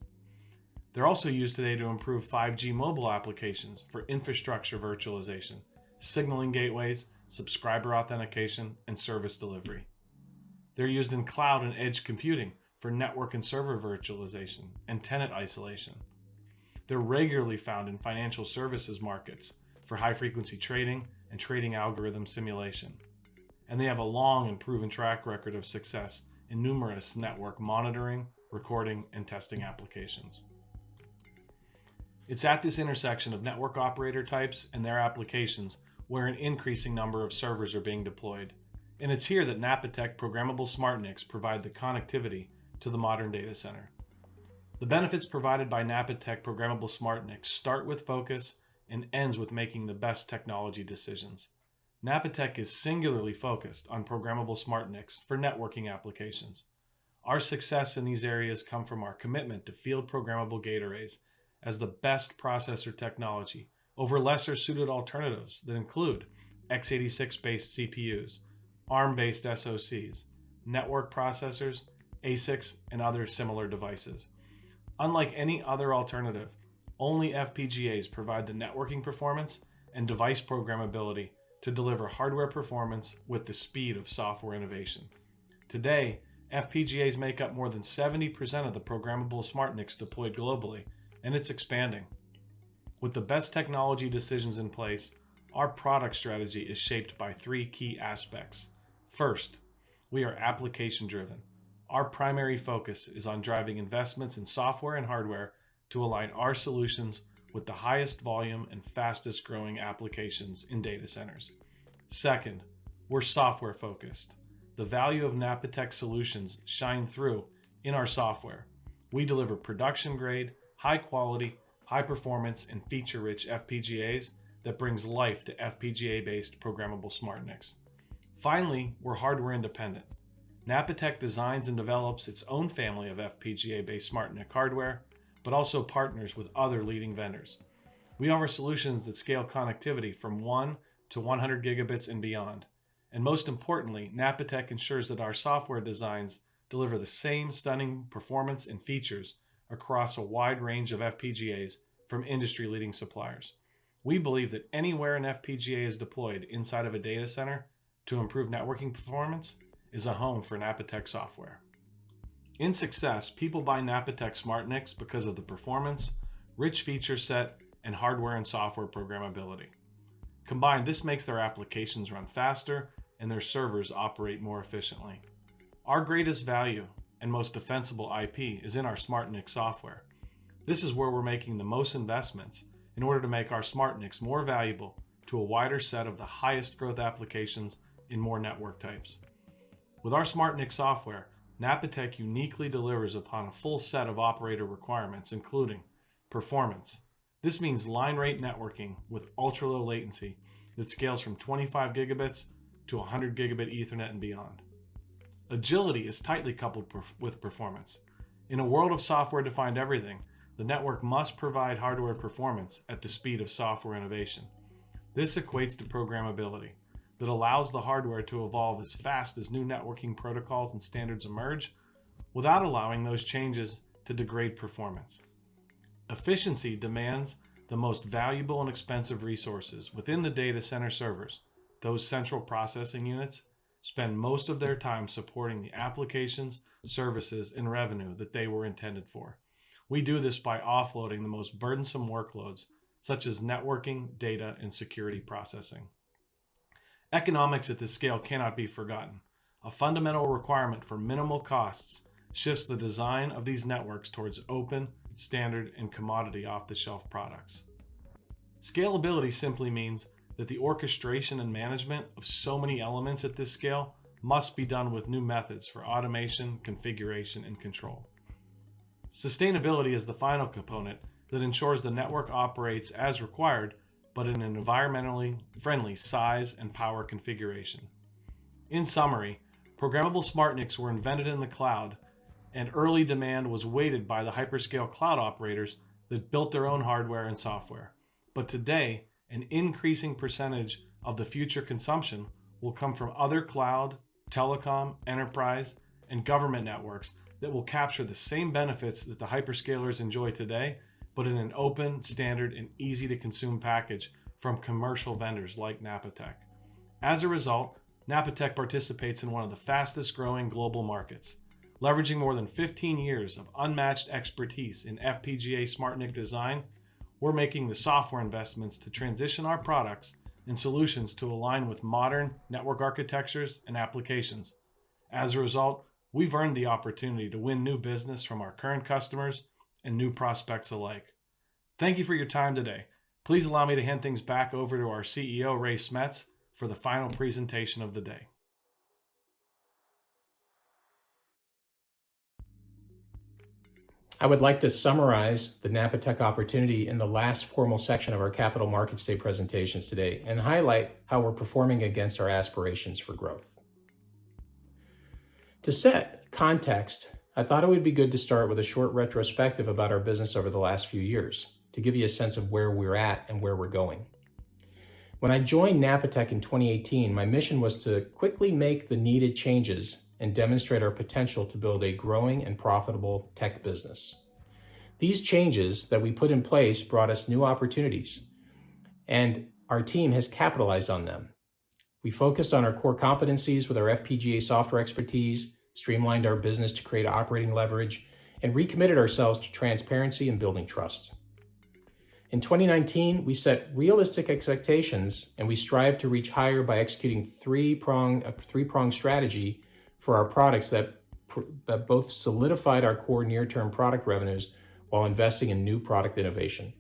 They're also used today to improve 5G mobile applications for infrastructure virtualization, signaling gateways, subscriber authentication, and service delivery. They're used in cloud and edge computing for network and server virtualization and tenant isolation. They're regularly found in financial services markets for high frequency trading and trading algorithm simulation, and they have a long and proven track record of success in numerous network monitoring, recording, and testing applications. It's at this intersection of network operator types and their applications where an increasing number of servers are being deployed, and it's here that Napatech programmable SmartNICs provide the connectivity to the modern data center. The benefits provided by Napatech programmable SmartNICs start with focus and ends with making the best technology decisions. Napatech is singularly focused on programmable SmartNICs for networking applications. Our success in these areas come from our commitment to field programmable gate arrays as the best processor technology over lesser-suited alternatives that include x86-based CPUs, ARM-based SoCs, network processors, ASICs, and other similar devices. Unlike any other alternative, only FPGAs provide the networking performance and device programmability to deliver hardware performance with the speed of software innovation. Today, FPGAs make up more than 70% of the programmable SmartNICs deployed globally, and it's expanding. With the best technology decisions in place, our product strategy is shaped by three key aspects. First, we are application driven. Our primary focus is on driving investments in software and hardware to align our solutions with the highest volume and fastest growing applications in data centers. Second, we're software focused. The value of Napatech solutions shine through in our software. We deliver production-grade, high quality, high performance, and feature-rich FPGAs that brings life to FPGA-based programmable SmartNICs. Finally, we're hardware independent. Napatech designs and develops its own family of FPGA-based SmartNIC hardware, but also partners with other leading vendors. We offer solutions that scale connectivity from 1 Gb to 100 Gb and beyond, and most importantly, Napatech ensures that our software designs deliver the same stunning performance and features across a wide range of FPGAs from industry leading suppliers. We believe that anywhere an FPGA is deployed inside of a data center to improve networking performance is a home for Napatech software. In success, people buy Napatech SmartNICs because of the performance, rich feature set, and hardware and software programmability. Combined, this makes their applications run faster and their servers operate more efficiently. Our greatest value and most defensible IP is in our SmartNIC software. This is where we're making the most investments in order to make our SmartNICs more valuable to a wider set of the highest growth applications in more network types. With our SmartNIC software, Napatech uniquely delivers upon a full set of operator requirements, including performance. This means line rate networking with ultra low latency that scales from 25 Gb to 100 Gb Ethernet and beyond. Agility is tightly coupled with performance. In a world of software-defined everything, the network must provide hardware performance at the speed of software innovation. This equates to programmability that allows the hardware to evolve as fast as new networking protocols and standards emerge without allowing those changes to degrade performance. Efficiency demands the most valuable and expensive resources within the data center servers. Those central processing units spend most of their time supporting the applications, services, and revenue that they were intended for. We do this by offloading the most burdensome workloads, such as networking, data, and security processing. Economics at this scale cannot be forgotten. A fundamental requirement for minimal costs shifts the design of these networks towards open, standard, and commodity off-the-shelf products. Scalability simply means that the orchestration and management of so many elements at this scale must be done with new methods for automation, configuration, and control. Sustainability is the final component that ensures the network operates as required, but in an environmentally friendly size and power configuration. In summary, programmable SmartNICs were invented in the cloud, and early demand was weighted by the hyperscale cloud operators that built their own hardware and software. Today, an increasing percentage of the future consumption will come from other cloud, telecom, enterprise, and government networks that will capture the same benefits that the hyperscalers enjoy today, but in an open, standard, and easy-to-consume package from commercial vendors like Napatech. As a result, Napatech participates in one of the fastest growing global markets. Leveraging more than 15 years of unmatched expertise in FPGA SmartNIC design, we're making the software investments to transition our products and solutions to align with modern network architectures and applications. As a result, we've earned the opportunity to win new business from our current customers and new prospects alike. Thank you for your time today. Please allow me to hand things back over to our CEO, Ray Smets, for the final presentation of the day. I would like to summarize the Napatech opportunity in the last formal section of our Capital Markets presentations today and highlight how we're performing against our aspirations for growth. To set context, I thought it would be good to start with a short retrospective about our business over the last few years to give you a sense of where we're at and where we're going. When I joined Napatech in 2018, my mission was to quickly make the needed changes and demonstrate our potential to build a growing and profitable tech business. These changes that we put in place brought us new opportunities and our team has capitalized on them. We focused on our core competencies with our FPGA software expertise, streamlined our business to create operating leverage, and recommitted ourselves to transparency and building trust. In 2019, we set realistic expectations, and we strived to reach higher by executing a three-pronged strategy for our products that both solidified our core near-term product revenues while investing in new product innovation.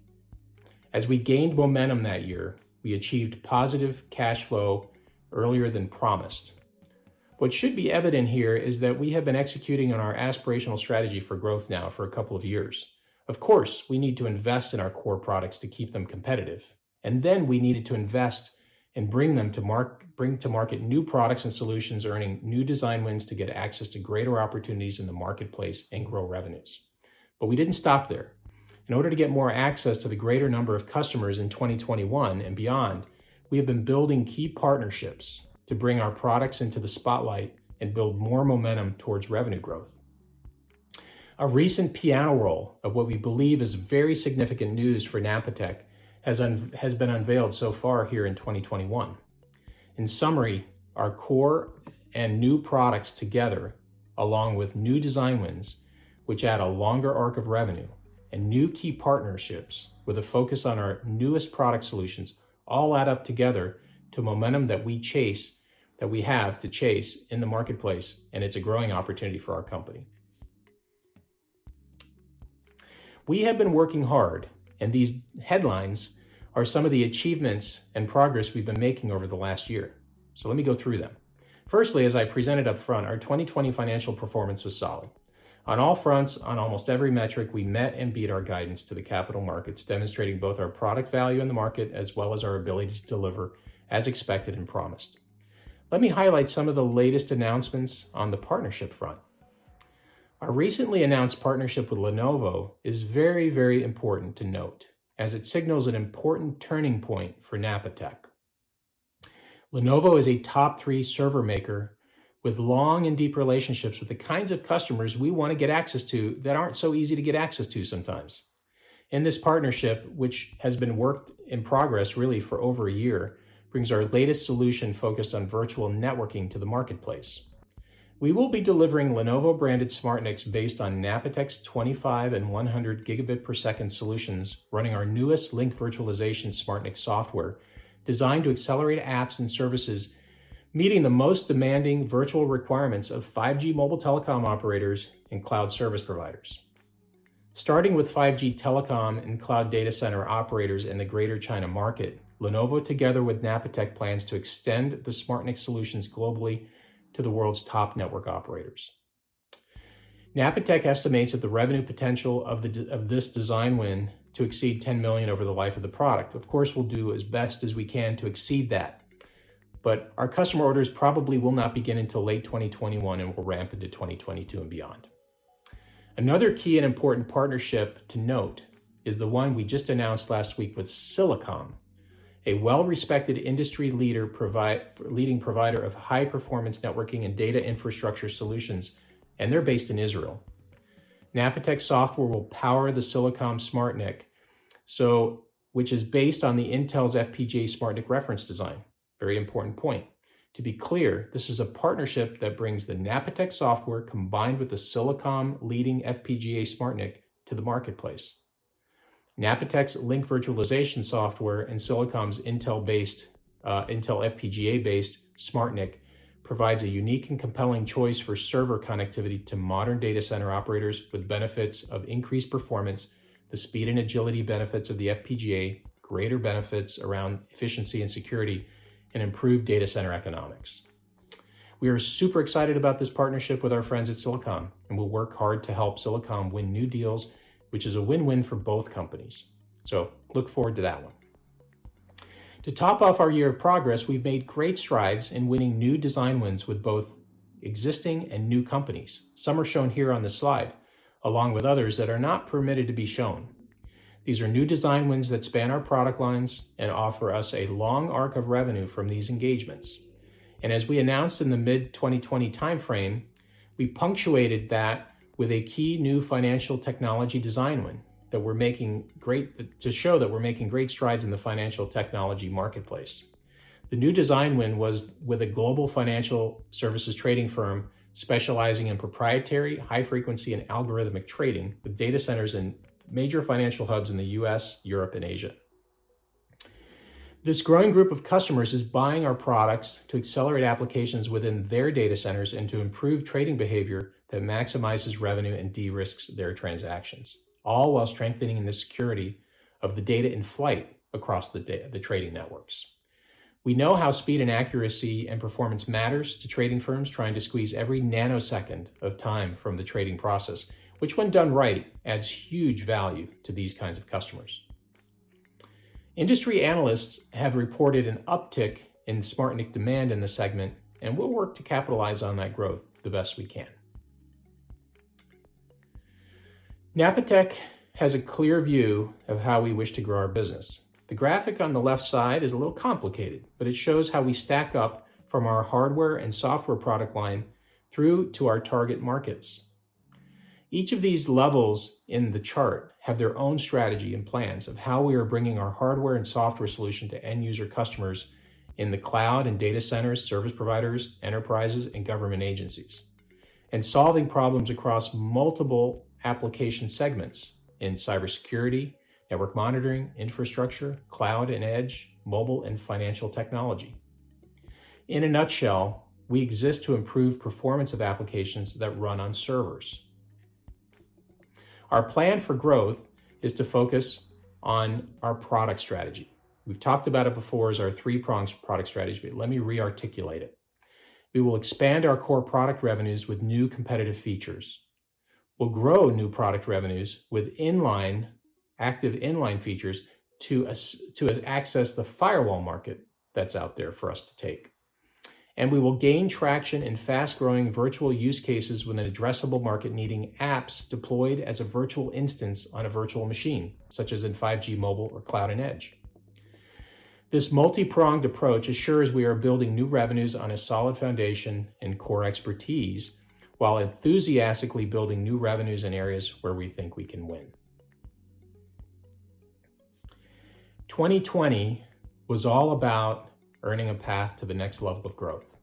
As we gained momentum that year, we achieved positive cash flow earlier than promised. What should be evident here is that we have been executing on our aspirational strategy for growth now for a couple of years. Of course, we need to invest in our core products to keep them competitive, and then we needed to invest and bring to market new products and solutions, earning new design wins to get access to greater opportunities in the marketplace and grow revenues. We didn't stop there. In order to get more access to the greater number of customers in 2021 and beyond, we have been building key partnerships to bring our products into the spotlight and build more momentum towards revenue growth. A recent press release of what we believe is very significant news for Napatech has been unveiled so far here in 2021. In summary, our core and new products together, along with new design wins, which add a longer arc of revenue, and new key partnerships with a focus on our newest product solutions all add up together to momentum that we have to chase in the marketplace, and it's a growing opportunity for our company. We have been working hard, and these headlines are some of the achievements and progress we've been making over the last year. Let me go through them. Firstly, as I presented up front, our 2020 financial performance was solid. On all fronts, on almost every metric, we met and beat our guidance to the capital markets, demonstrating both our product value in the market as well as our ability to deliver as expected and promised. Let me highlight some of the latest announcements on the partnership front. Our recently announced partnership with Lenovo is very important to note, as it signals an important turning point for Napatech. Lenovo is a top three server maker with long and deep relationships with the kinds of customers we want to get access to that aren't so easy to get access to sometimes. In this partnership, which has been worked in progress really for over a year, brings our latest solution focused on virtual networking to the marketplace. We will be delivering Lenovo-branded SmartNICs based on Napatech's 25 Gb and 100 Gb per second solutions, running our newest Link-Virtualization SmartNIC software designed to accelerate apps and services, meeting the most demanding virtual requirements of 5G mobile telecom operators and cloud service providers. Starting with 5G telecom and cloud data center operators in the Greater China market, Lenovo together with Napatech plans to extend the SmartNIC solutions globally to the world's top network operators. Napatech estimates that the revenue potential of this design win to exceed $10 million over the life of the product. Of course, we'll do as best as we can to exceed that, but our customer orders probably will not begin until late 2021, and will ramp into 2022 and beyond. Another key and important partnership to note is the one we just announced last week with Silicom, a well-respected industry leading provider of high performance networking and data infrastructure solutions, and they're based in Israel. Napatech software will power the Silicom SmartNIC, which is based on the Intel's FPGA SmartNIC reference design. Very important point. To be clear, this is a partnership that brings the Napatech software combined with the Silicom leading FPGA SmartNIC to the marketplace. Napatech's Link-Virtualization software and Silicom's Intel FPGA-based SmartNIC provides a unique and compelling choice for server connectivity to modern data center operators with benefits of increased performance, the speed and agility benefits of the FPGA, greater benefits around efficiency and security, and improved data center economics. We are super excited about this partnership with our friends at Silicom, and we'll work hard to help Silicom win new deals, which is a win-win for both companies. Look forward to that one. To top off our year of progress, we've made great strides in winning new design wins with both existing and new companies. Some are shown here on this slide, along with others that are not permitted to be shown. These are new design wins that span our product lines and offer us a long arc of revenue from these engagements. As we announced in the mid-2020 timeframe, we punctuated that with a key new financial technology design win to show that we're making great strides in the financial technology marketplace. The new design win was with a global financial services trading firm specializing in proprietary, high-frequency, and algorithmic trading with data centers in major financial hubs in the U.S., Europe, and Asia. This growing group of customers is buying our products to accelerate applications within their data centers and to improve trading behavior that maximizes revenue and de-risks their transactions, all while strengthening the security of the data in flight across the trading networks. We know how speed and accuracy and performance matters to trading firms trying to squeeze every nanosecond of time from the trading process, which when done right, adds huge value to these kinds of customers. Industry analysts have reported an uptick in SmartNIC demand in this segment. We'll work to capitalize on that growth the best we can. Napatech has a clear view of how we wish to grow our business. The graphic on the left side is a little complicated, but it shows how we stack up from our hardware and software product line through to our target markets. Each of these levels in the chart have their own strategy and plans of how we are bringing our hardware and software solution to end user customers in the cloud and data centers, service providers, enterprises, and government agencies, and solving problems across multiple application segments in cybersecurity, network monitoring, infrastructure, cloud and edge, mobile and financial technology. In a nutshell, we exist to improve performance of applications that run on servers. Our plan for growth is to focus on our product strategy. We've talked about it before as our three-pronged product strategy, but let me re-articulate it. We will expand our core product revenues with new competitive features. We'll grow new product revenues with active inline features to access the firewall market that's out there for us to take. We will gain traction in fast-growing virtual use cases with an addressable market needing apps deployed as a virtual instance on a virtual machine, such as in 5G mobile or cloud and edge. This multi-pronged approach assures we are building new revenues on a solid foundation and core expertise while enthusiastically building new revenues in areas where we think we can win. 2020 was all about earning a path to the next level of growth.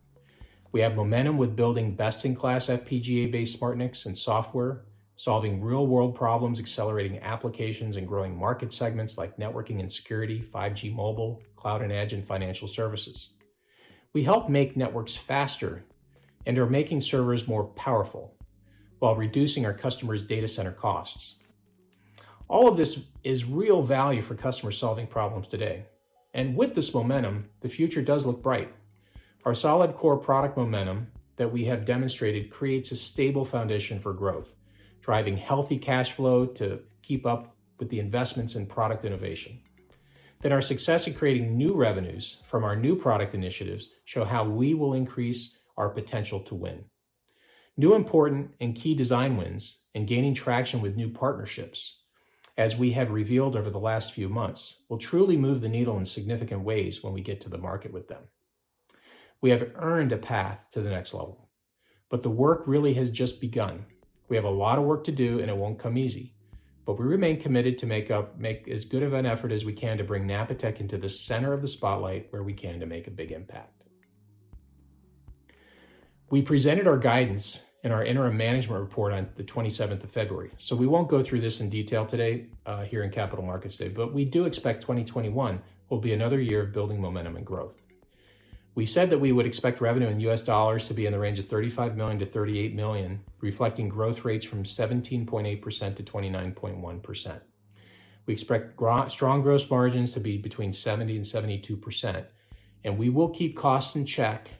We have momentum with building best-in-class FPGA-based SmartNICs and software, solving real-world problems, accelerating applications, and growing market segments like networking and security, 5G mobile, cloud and edge, and financial services. We help make networks faster and are making servers more powerful while reducing our customers' data center costs. All of this is real value for customers solving problems today. With this momentum, the future does look bright. Our solid core product momentum that we have demonstrated creates a stable foundation for growth, driving healthy cash flow to keep up with the investments in product innovation. Our success in creating new revenues from our new product initiatives show how we will increase our potential to win. New important and key design wins and gaining traction with new partnerships, as we have revealed over the last few months, will truly move the needle in significant ways when we get to the market with them. We have earned a path to the next level, but the work really has just begun. We have a lot of work to do, and it won't come easy. We remain committed to make as good of an effort as we can to bring Napatech into the center of the spotlight where we can to make a big impact. We presented our guidance in our interim management report on the 27th of February, so we won't go through this in detail today here in Capital Markets Day, but we do expect 2021 will be another year of building momentum and growth. We said that we would expect revenue in U.S. dollars to be in the range of $35 million-$38 million, reflecting growth rates from 17.8%-29.1%. We expect strong gross margins to be between 70%-72%, and we will keep costs in check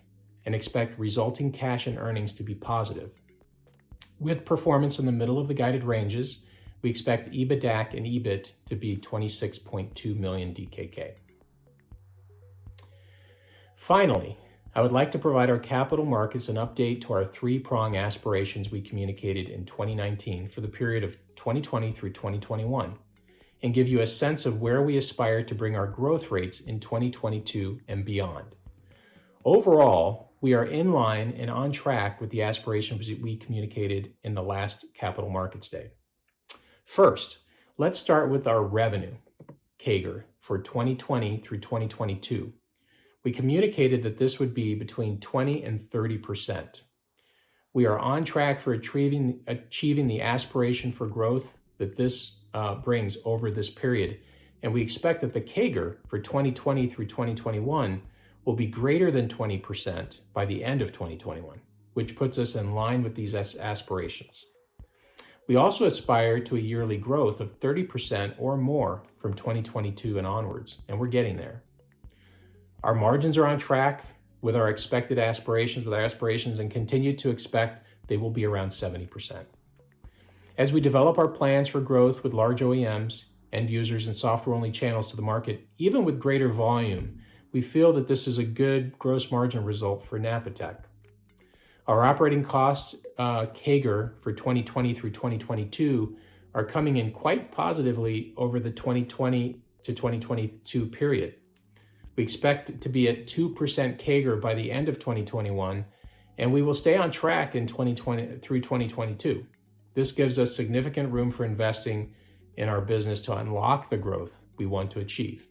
and expect resulting cash and earnings to be positive. With performance in the middle of the guided ranges, we expect EBITDAC and EBIT to be 26.2 million DKK. Finally, I would like to provide our capital markets an update to our three-prong aspirations we communicated in 2019 for the period of 2020 through 2021, and give you a sense of where we aspire to bring our growth rates in 2022 and beyond. Overall, we are in line and on track with the aspirations that we communicated in the last Capital Markets Day. First, let's start with our revenue CAGR for 2020 through 2022. We communicated that this would be between 20% and 30%. We are on track for achieving the aspiration for growth that this brings over this period, and we expect that the CAGR for 2020 through 2021 will be greater than 20% by the end of 2021, which puts us in line with these aspirations. We also aspire to a yearly growth of 30% or more from 2022 and onwards, and we're getting there. Our margins are on track with our expected aspirations, and continue to expect they will be around 70%. As we develop our plans for growth with large OEMs, end users and software-only channels to the market, even with greater volume, we feel that this is a good gross margin result for Napatech. Our operating costs CAGR for 2020 through 2022 are coming in quite positively over the 2020 to 2022 period. We expect it to be at 2% CAGR by the end of 2021, and we will stay on track through 2022. This gives us significant room for investing in our business to unlock the growth we want to achieve.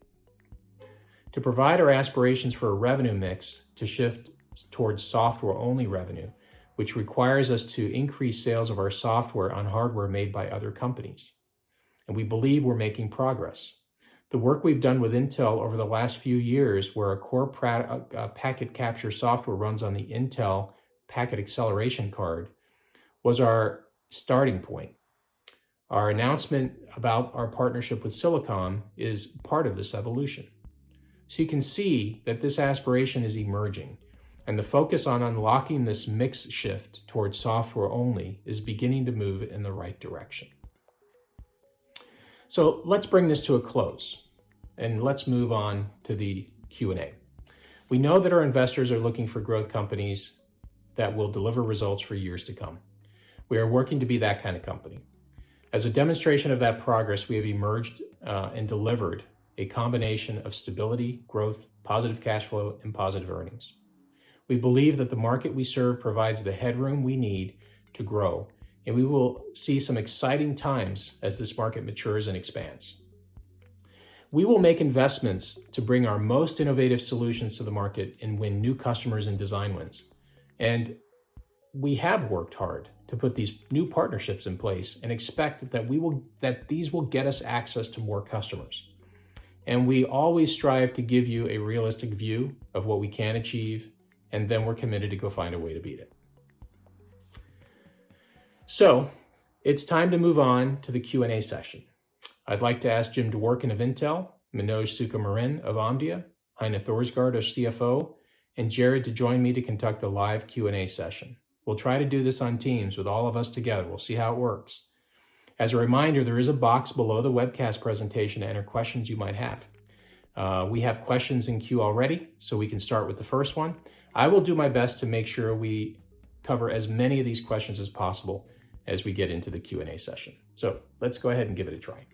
To provide our aspirations for a revenue mix to shift towards software-only revenue, which requires us to increase sales of our software on hardware made by other companies, and we believe we're making progress. The work we've done with Intel over the last few years, where our core packet capture software runs on the Intel packet acceleration card, was our starting point. Our announcement about our partnership with Silicom is part of this evolution. You can see that this aspiration is emerging, and the focus on unlocking this mix shift towards software only is beginning to move in the right direction. Let's bring this to a close, and let's move on to the Q&A. We know that our investors are looking for growth companies that will deliver results for years to come. We are working to be that kind of company. As a demonstration of that progress, we have emerged and delivered a combination of stability, growth, positive cash flow, and positive earnings. We believe that the market we serve provides the headroom we need to grow, and we will see some exciting times as this market matures and expands. We will make investments to bring our most innovative solutions to the market and win new customers and design wins. We have worked hard to put these new partnerships in place and expect that these will get us access to more customers. We always strive to give you a realistic view of what we can achieve, and then we're committed to go find a way to beat it. It's time to move on to the Q&A session. I'd like to ask Jim Dworkin of Intel, Manoj Sukumaran of Omdia, Heine Thorsgaard, our CFO, and Jarrod to join me to conduct a live Q&A session. We'll try to do this on Teams with all of us together. We'll see how it works. As a reminder, there is a box below the webcast presentation to enter questions you might have. We have questions in queue already, so we can start with the first one. I will do my best to make sure we cover as many of these questions as possible as we get into the Q&A session. Let's go ahead and give it a try.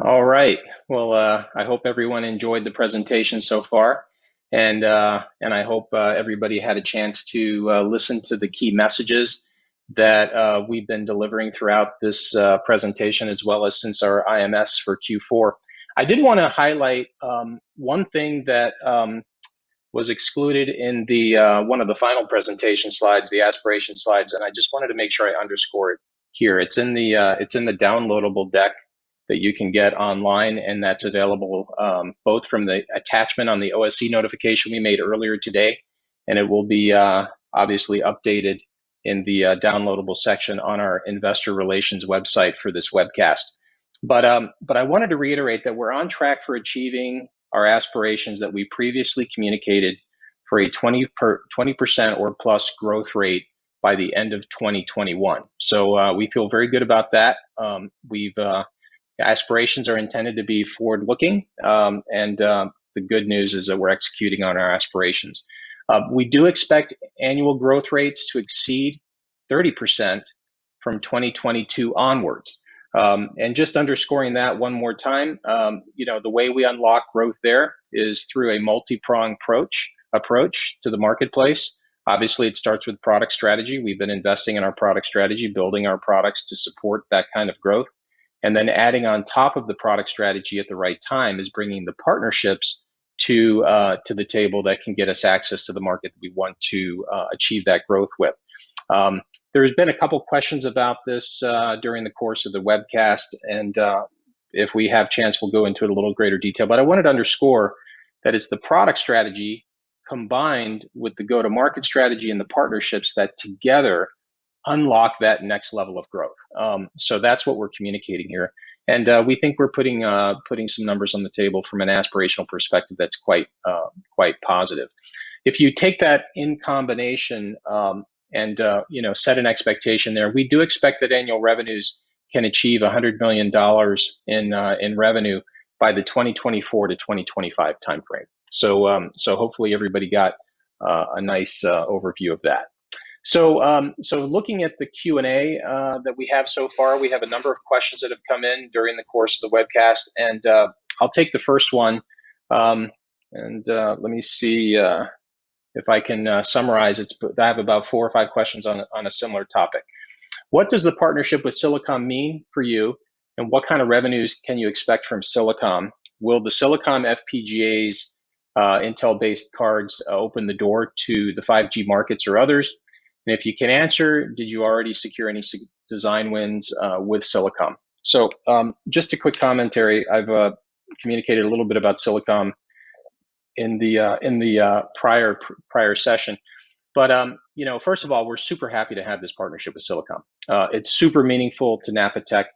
All right. Well, I hope everyone enjoyed the presentation so far, and I hope everybody had a chance to listen to the key messages that we've been delivering throughout this presentation as well as since our IMS for Q4. I did want to highlight one thing that was excluded in one of the final presentation slides, the aspiration slides, and I just wanted to make sure I underscore it here. It's in the downloadable deck that you can get online, and that's available both from the attachment on the OSE notification we made earlier today, and it will be obviously updated in the downloadable section on our investor relations website for this webcast. I wanted to reiterate that we're on track for achieving our aspirations that we previously communicated for a 20% or plus growth rate by the end of 2021. We feel very good about that. The aspirations are intended to be forward-looking, the good news is that we're executing on our aspirations. We do expect annual growth rates to exceed 30% from 2022 onwards. Just underscoring that one more time, the way we unlock growth there is through a multi-pronged approach to the marketplace. Obviously, it starts with product strategy. We've been investing in our product strategy, building our products to support that kind of growth. Adding on top of the product strategy at the right time is bringing the partnerships to the table that can get us access to the market that we want to achieve that growth with. There has been a couple of questions about this during the course of the webcast, and if we have chance, we'll go into it a little greater detail. I wanted to underscore that it's the product strategy combined with the go-to-market strategy and the partnerships that together unlock that next level of growth. That's what we're communicating here, and we think we're putting some numbers on the table from an aspirational perspective that's quite positive. If you take that in combination and set an expectation there, we do expect that annual revenues can achieve $100 million in revenue by the 2024 to 2025 timeframe. Hopefully everybody got a nice overview of that. Looking at the Q&A that we have so far, we have a number of questions that have come in during the course of the webcast, and I'll take the first one. Let me see if I can summarize it. I have about four or five questions on a similar topic. What does the partnership with Silicom mean for you, and what kind of revenues can you expect from Silicom? Will the Silicom FPGA's Intel-based cards open the door to the 5G markets or others? If you can answer, did you already secure any design wins with Silicom? Just a quick commentary. I've communicated a little bit about Silicom in the prior session. First of all, we're super happy to have this partnership with Silicom. It's super meaningful to Napatech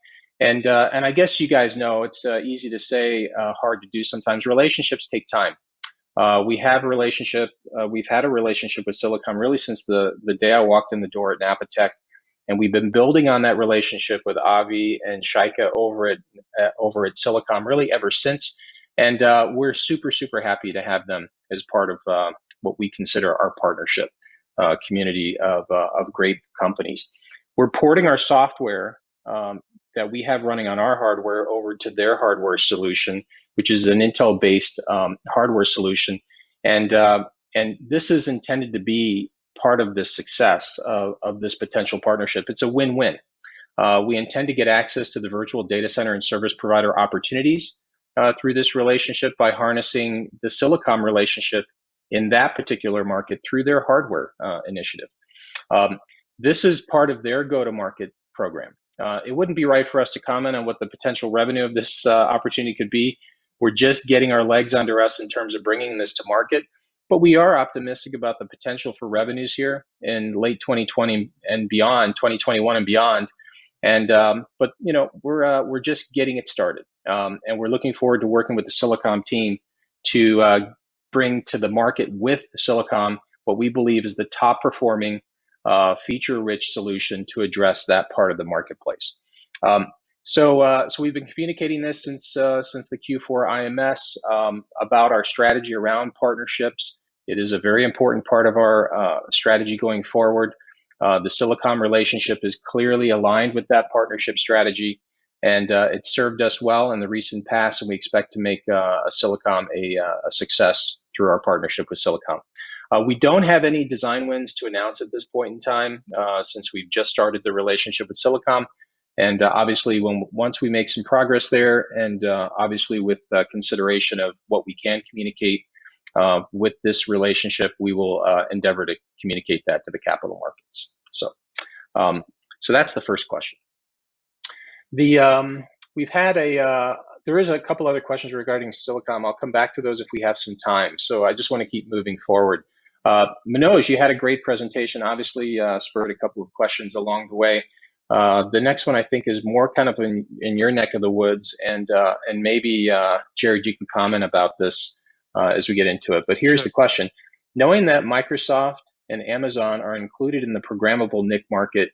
and I guess you guys know it's easy to say, hard to do sometimes. Relationships take time. We've had a relationship with Silicom really since the day I walked in the door at Napatech, and we've been building on that relationship with Avi and Shaike over at Silicom really ever since, and we're super happy to have them as part of what we consider our partnership, a community of great companies. We're porting our software that we have running on our hardware over to their hardware solution, which is an Intel-based hardware solution, and this is intended to be part of the success of this potential partnership. It's a win-win. We intend to get access to the virtual data center and service provider opportunities through this relationship by harnessing the Silicom relationship in that particular market through their hardware initiative. This is part of their go-to-market program. It wouldn't be right for us to comment on what the potential revenue of this opportunity could be. We're just getting our legs under us in terms of bringing this to market. We are optimistic about the potential for revenues here in late 2020 and beyond, 2021 and beyond. We're just getting it started. We're looking forward to working with the Silicom team to bring to the market with Silicom what we believe is the top-performing, feature-rich solution to address that part of the marketplace. We've been communicating this since the Q4 IMS about our strategy around partnerships. It is a very important part of our strategy going forward. The Silicom relationship is clearly aligned with that partnership strategy, and it served us well in the recent past, and we expect to make Silicom a success through our partnership with Silicom. We don't have any design wins to announce at this point in time, since we've just started the relationship with Silicom. Obviously once we make some progress there and, obviously with consideration of what we can communicate with this relationship, we will endeavor to communicate that to the capital markets. That's the first question. There is a couple other questions regarding Silicom. I'll come back to those if we have some time. I just want to keep moving forward. Manoj, you had a great presentation, obviously spurred a couple of questions along the way. The next one I think is more kind of in your neck of the woods and maybe, Jarrod, you can comment about this as we get into it. Sure. Here's the question. Knowing that Microsoft and Amazon are included in the programmable NIC market,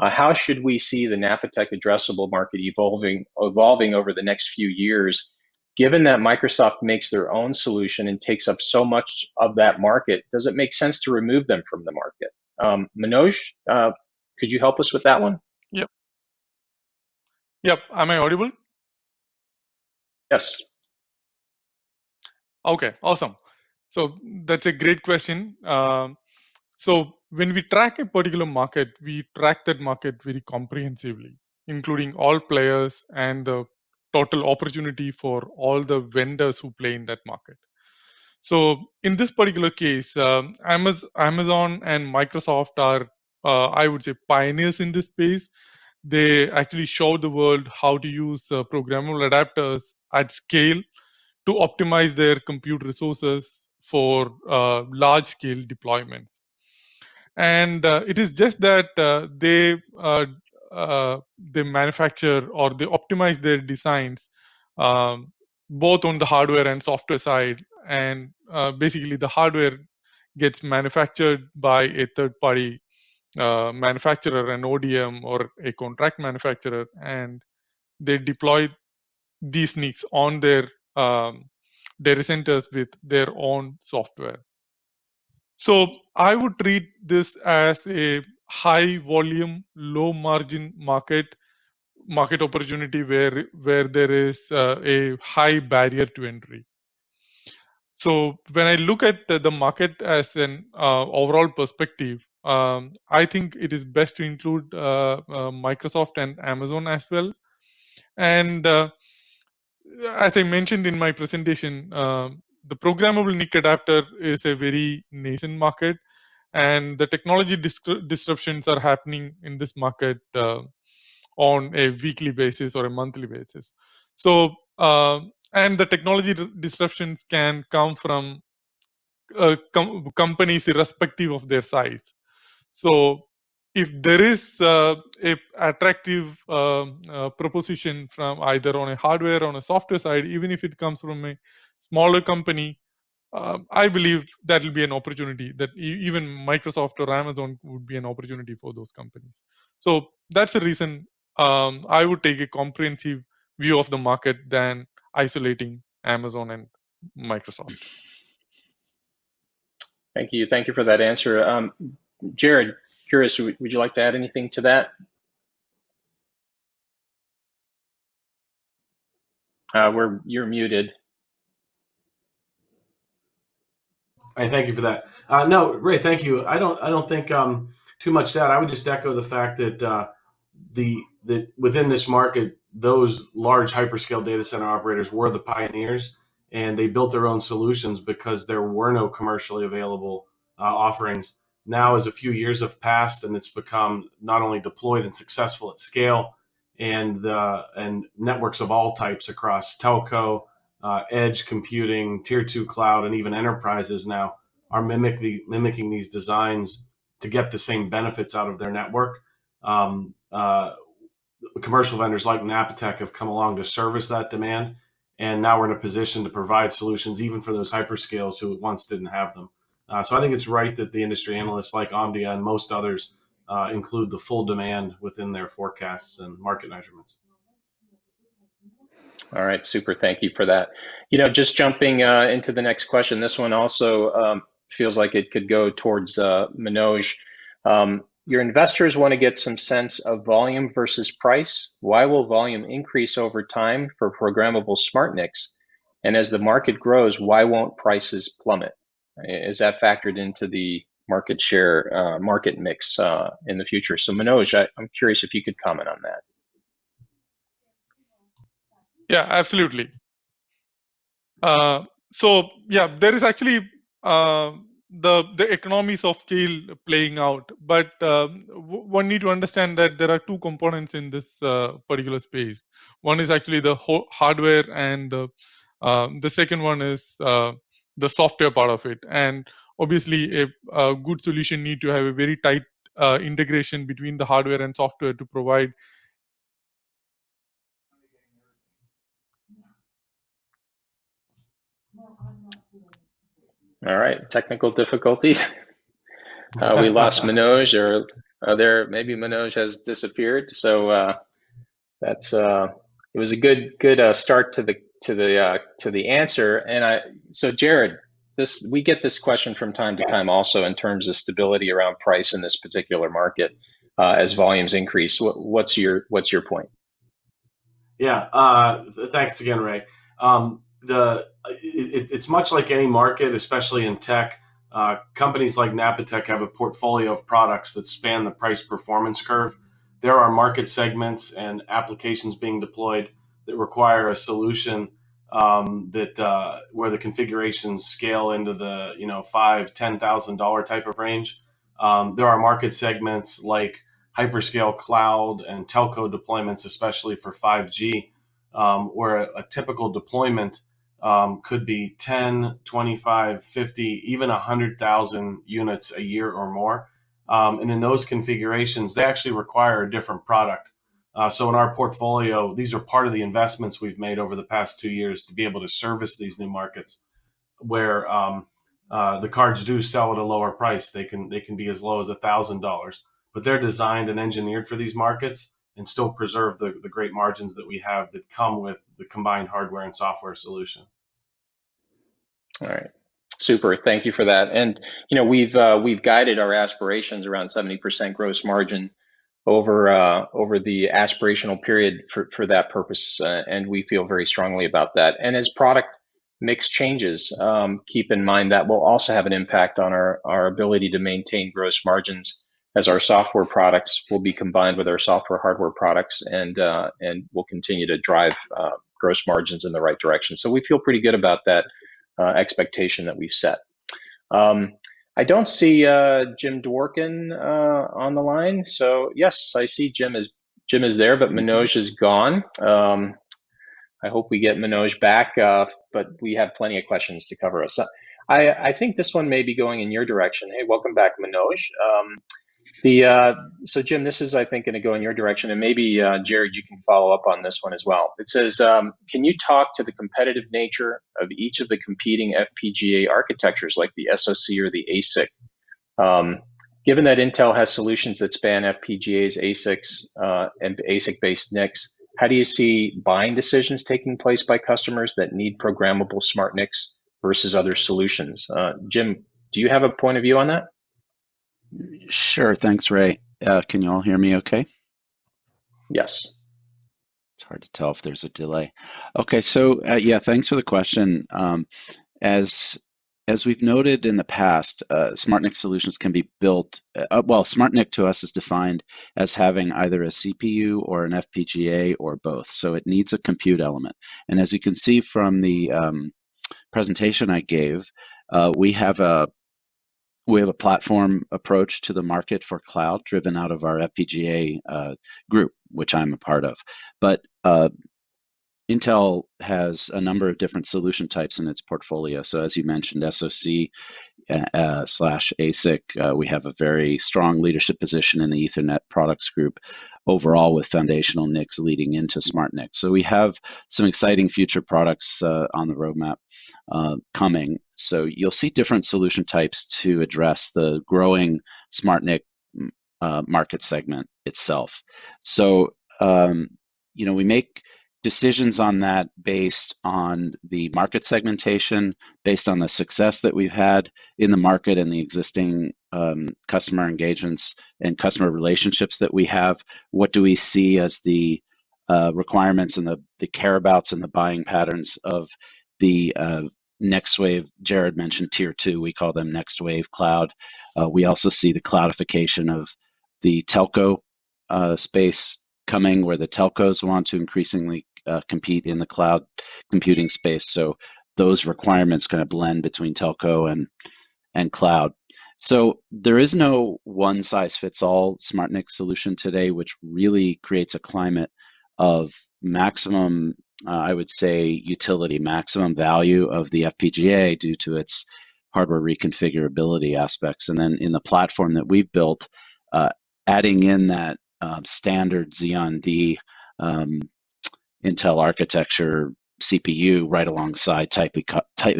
how should we see the Napatech addressable market evolving over the next few years? Given that Microsoft makes their own solution and takes up so much of that market, does it make sense to remove them from the market? Manoj, could you help us with that one? Yep. Am I audible? Yes. Okay, awesome. That's a great question. When we track a particular market, we track that market very comprehensively, including all players and the total opportunity for all the vendors who play in that market. In this particular case, Amazon and Microsoft are, I would say, pioneers in this space. They actually showed the world how to use programmable adapters at scale to optimize their compute resources for large-scale deployments. It is just that they manufacture or they optimize their designs both on the hardware and software side, and basically, the hardware gets manufactured by a third-party manufacturer, an ODM or a contract manufacturer, and they deploy these NICs on their data centers with their own software. I would treat this as a high-volume, low-margin market opportunity where there is a high barrier to entry. When I look at the market as an overall perspective, I think it is best to include Microsoft and Amazon as well. As I mentioned in my presentation, the programmable NIC adapter is a very nascent market, and the technology disruptions are happening in this market on a weekly basis or a monthly basis. The technology disruptions can come from companies irrespective of their size. If there is an attractive proposition from either on a hardware or on a software side, even if it comes from a smaller company, I believe that'll be an opportunity that even Microsoft or Amazon would be an opportunity for those companies. That's the reason I would take a comprehensive view of the market than isolating Amazon and Microsoft. Thank you for that answer. Jarrod, curious, would you like to add anything to that? You're muted. Thank you for that. No, Ray, thank you. I don't think too much to add. I would just echo the fact that within this market, those large hyperscale data center operators were the pioneers. They built their own solutions because there were no commercially available offerings. Now, as a few years have passed and it's become not only deployed and successful at scale, Networks of all types across telco, edge computing, tier 2 cloud, and even enterprises now are mimicking these designs to get the same benefits out of their network. Commercial vendors like Napatech have come along to service that demand. Now we're in a position to provide solutions even for those hyperscales who once didn't have them. I think it's right that the industry analysts like Omdia and most others, include the full demand within their forecasts and market measurements. All right. Super thank you for that. Just jumping into the next question. This one also feels like it could go towards Manoj. Your investors want to get some sense of volume versus price. Why will volume increase over time for programmable SmartNICs? As the market grows, why won't prices plummet? Is that factored into the market share, market mix, in the future? Manoj, I am curious if you could comment on that. Yeah, absolutely. Yeah, there is actually the economies of scale playing out. One need to understand that there are two components in this particular space. One is actually the hardware and the second one is the software part of it. Obviously, a good solution need to have a very tight integration between the hardware and software. All right. Technical difficulties. We lost Manoj or maybe Manoj has disappeared. It was a good start to the answer. Jarrod, we get this question from time to time also in terms of stability around price in this particular market, as volumes increase. What's your point? Yeah. Thanks again, Ray. It is much like any market, especially in tech. Companies like Napatech have a portfolio of products that span the price-performance curve. There are market segments and applications being deployed that require a solution, where the configurations scale into the 5,000, DKK 10,000 type of range. There are market segments like hyperscale cloud and telco deployments, especially for 5G, where a typical deployment could be 10, 25, 50, even 100,000 units a year or more. In those configurations, they actually require a different product. In our portfolio, these are part of the investments we have made over the past two years to be able to service these new markets, where the cards do sell at a lower price. They can be as low as DKK 1,000. They're designed and engineered for these markets and still preserve the great margins that we have that come with the combined hardware and software solution. We've guided our aspirations around 70% gross margin over the aspirational period for that purpose, and we feel very strongly about that. As product mix changes, keep in mind that will also have an impact on our ability to maintain gross margins as our software products will be combined with our software hardware products and will continue to drive gross margins in the right direction. We feel pretty good about that expectation that we've set. I don't see Jim Dworkin on the line. Yes, I see Jim is there, but Manoj is gone. I hope we get Manoj back, but we have plenty of questions to cover. I think this one may be going in your direction. Hey, welcome back, Manoj. Jim, this is, I think, going to go in your direction and maybe, Jarrod, you can follow up on this one as well. It says, can you talk to the competitive nature of each of the competing FPGA architectures like the SoC or the ASIC? Given that Intel has solutions that span FPGAs, ASICs, and ASIC-based NICs, how do you see buying decisions taking place by customers that need programmable SmartNICs versus other solutions? Jim, do you have a point of view on that? Sure. Thanks, Ray. Can you all hear me okay? Yes. It's hard to tell if there's a delay. Okay. Yeah, thanks for the question. As we've noted in the past, SmartNIC solutions can be built. Well, SmartNIC to us is defined as having either a CPU or an FPGA or both. It needs a compute element. As you can see from the presentation I gave, we have a platform approach to the market for cloud driven out of our FPGA group, which I'm a part of. Intel has a number of different solution types in its portfolio. As you mentioned, SoC/ASIC, we have a very strong leadership position in the Ethernet products group overall with foundational NICs leading into SmartNIC. We have some exciting future products on the roadmap coming. You'll see different solution types to address the growing SmartNIC market segment itself. We make decisions on that based on the market segmentation, based on the success that we've had in the market and the existing customer engagements and customer relationships that we have. What do we see as the requirements and the care abouts and the buying patterns of the next wave, Jarrod mentioned tier 2, we call them next wave cloud. We also see the cloudification of the telco space coming, where the telcos want to increasingly compete in the cloud computing space. Those requirements kind of blend between telco and cloud. There is no one size fits all SmartNIC solution today, which really creates a climate of maximum, I would say, utility, maximum value of the FPGA due to its hardware reconfigurability aspects. Then in the platform that we've built, adding in that standard Xeon D Intel architecture CPU right alongside, tightly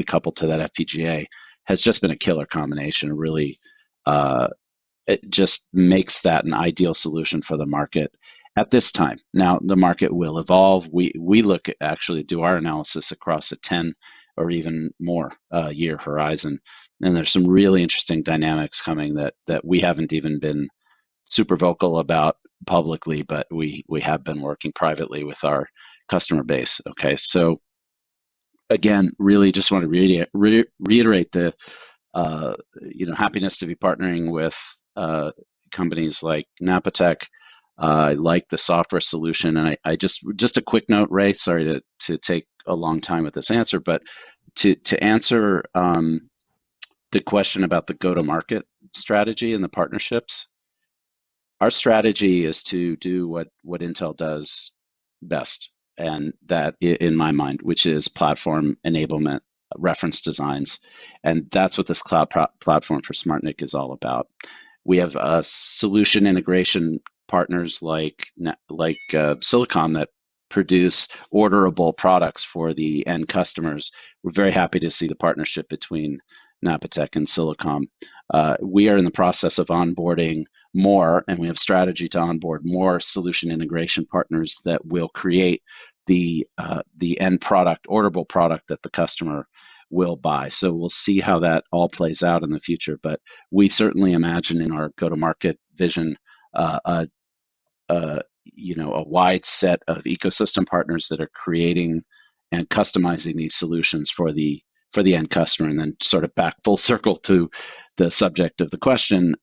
coupled to that FPGA, has just been a killer combination, really. It just makes that an ideal solution for the market at this time. Now, the market will evolve. We actually do our analysis across a 10 or even more year horizon, and there's some really interesting dynamics coming that we haven't even been super vocal about publicly, but we have been working privately with our customer base. Again, really just want to reiterate the happiness to be partnering with companies like Napatech. I like the software solution, and just a quick note, Ray, sorry to take a long time with this answer, but to answer the question about the go-to-market strategy and the partnerships, our strategy is to do what Intel does best, and that, in my mind, which is platform enablement reference designs, and that's what this cloud platform for SmartNIC is all about. We have solution integration partners like Silicom that produce orderable products for the end customers. We're very happy to see the partnership between Napatech and Silicom. We are in the process of onboarding more, and we have strategy to onboard more solution integration partners that will create the end product, orderable product that the customer will buy. We'll see how that all plays out in the future. We certainly imagine in our go-to-market vision a wide set of ecosystem partners that are creating and customizing these solutions for the end customer, and then sort of back full circle to the subject of the question,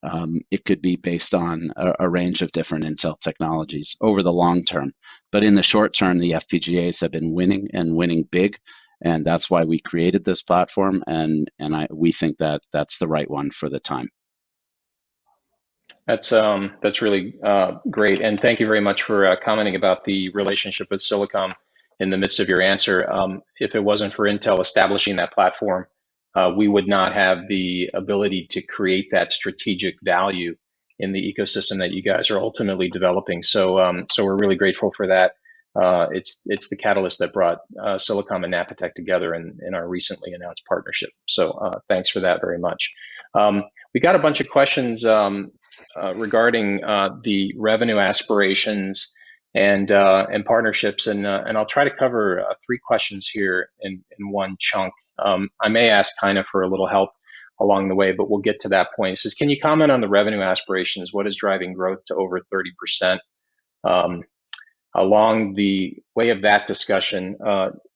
it could be based on a range of different Intel technologies over the long term. In the short term, the FPGAs have been winning and winning big, and that's why we created this platform, and we think that that's the right one for the time. That's really great. Thank you very much for commenting about the relationship with Silicom in the midst of your answer. If it wasn't for Intel establishing that platform, we would not have the ability to create that strategic value in the ecosystem that you guys are ultimately developing. We're really grateful for that. It's the catalyst that brought Silicom and Napatech together in our recently announced partnership. Thanks for that very much. We got a bunch of questions regarding the revenue aspirations and partnerships. I'll try to cover three questions here in one chunk. I may ask Heine for a little help along the way. We'll get to that point. It says, "Can you comment on the revenue aspirations? What is driving growth to over 30%?" Along the way of that discussion,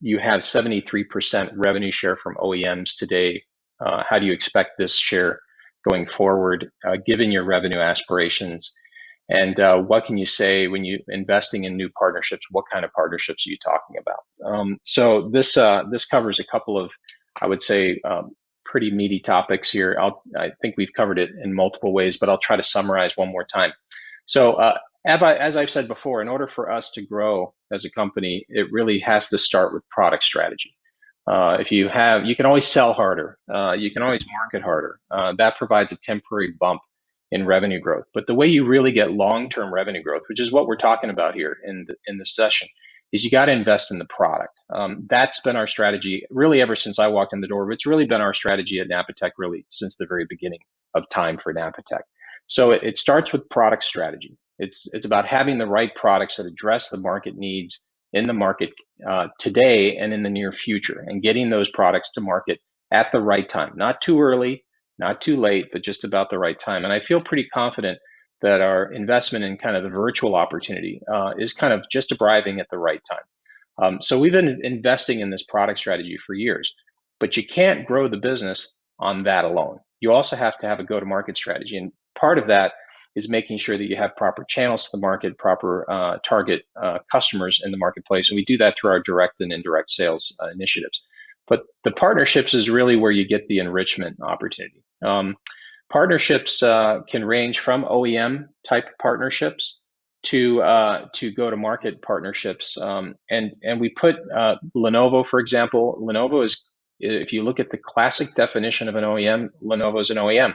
you have 73% revenue share from OEMs today. How do you expect this share going forward, given your revenue aspirations, and what can you say when you're investing in new partnerships, what kind of partnerships are you talking about? This covers a couple of, I would say, pretty meaty topics here. I think we've covered it in multiple ways, but I'll try to summarize one more time. As I've said before, in order for us to grow as a company, it really has to start with product strategy. You can always sell harder. You can always market harder. That provides a temporary bump in revenue growth. The way you really get long-term revenue growth, which is what we're talking about here in this session, is you got to invest in the product. That's been our strategy really ever since I walked in the door. It's really been our strategy at Napatech really since the very beginning of time for Napatech. It starts with product strategy. It's about having the right products that address the market needs in the market today and in the near future, and getting those products to market at the right time, not too early, not too late, but just about the right time. I feel pretty confident that our investment in kind of the virtual opportunity is kind of just arriving at the right time. We've been investing in this product strategy for years, but you can't grow the business on that alone. You also have to have a go-to-market strategy, and part of that is making sure that you have proper channels to the market, proper target customers in the marketplace, and we do that through our direct and indirect sales initiatives. The partnerships is really where you get the enrichment opportunity. Partnerships can range from OEM type partnerships to go-to-market partnerships. We put Lenovo, for example, Lenovo is, if you look at the classic definition of an OEM, Lenovo is an OEM.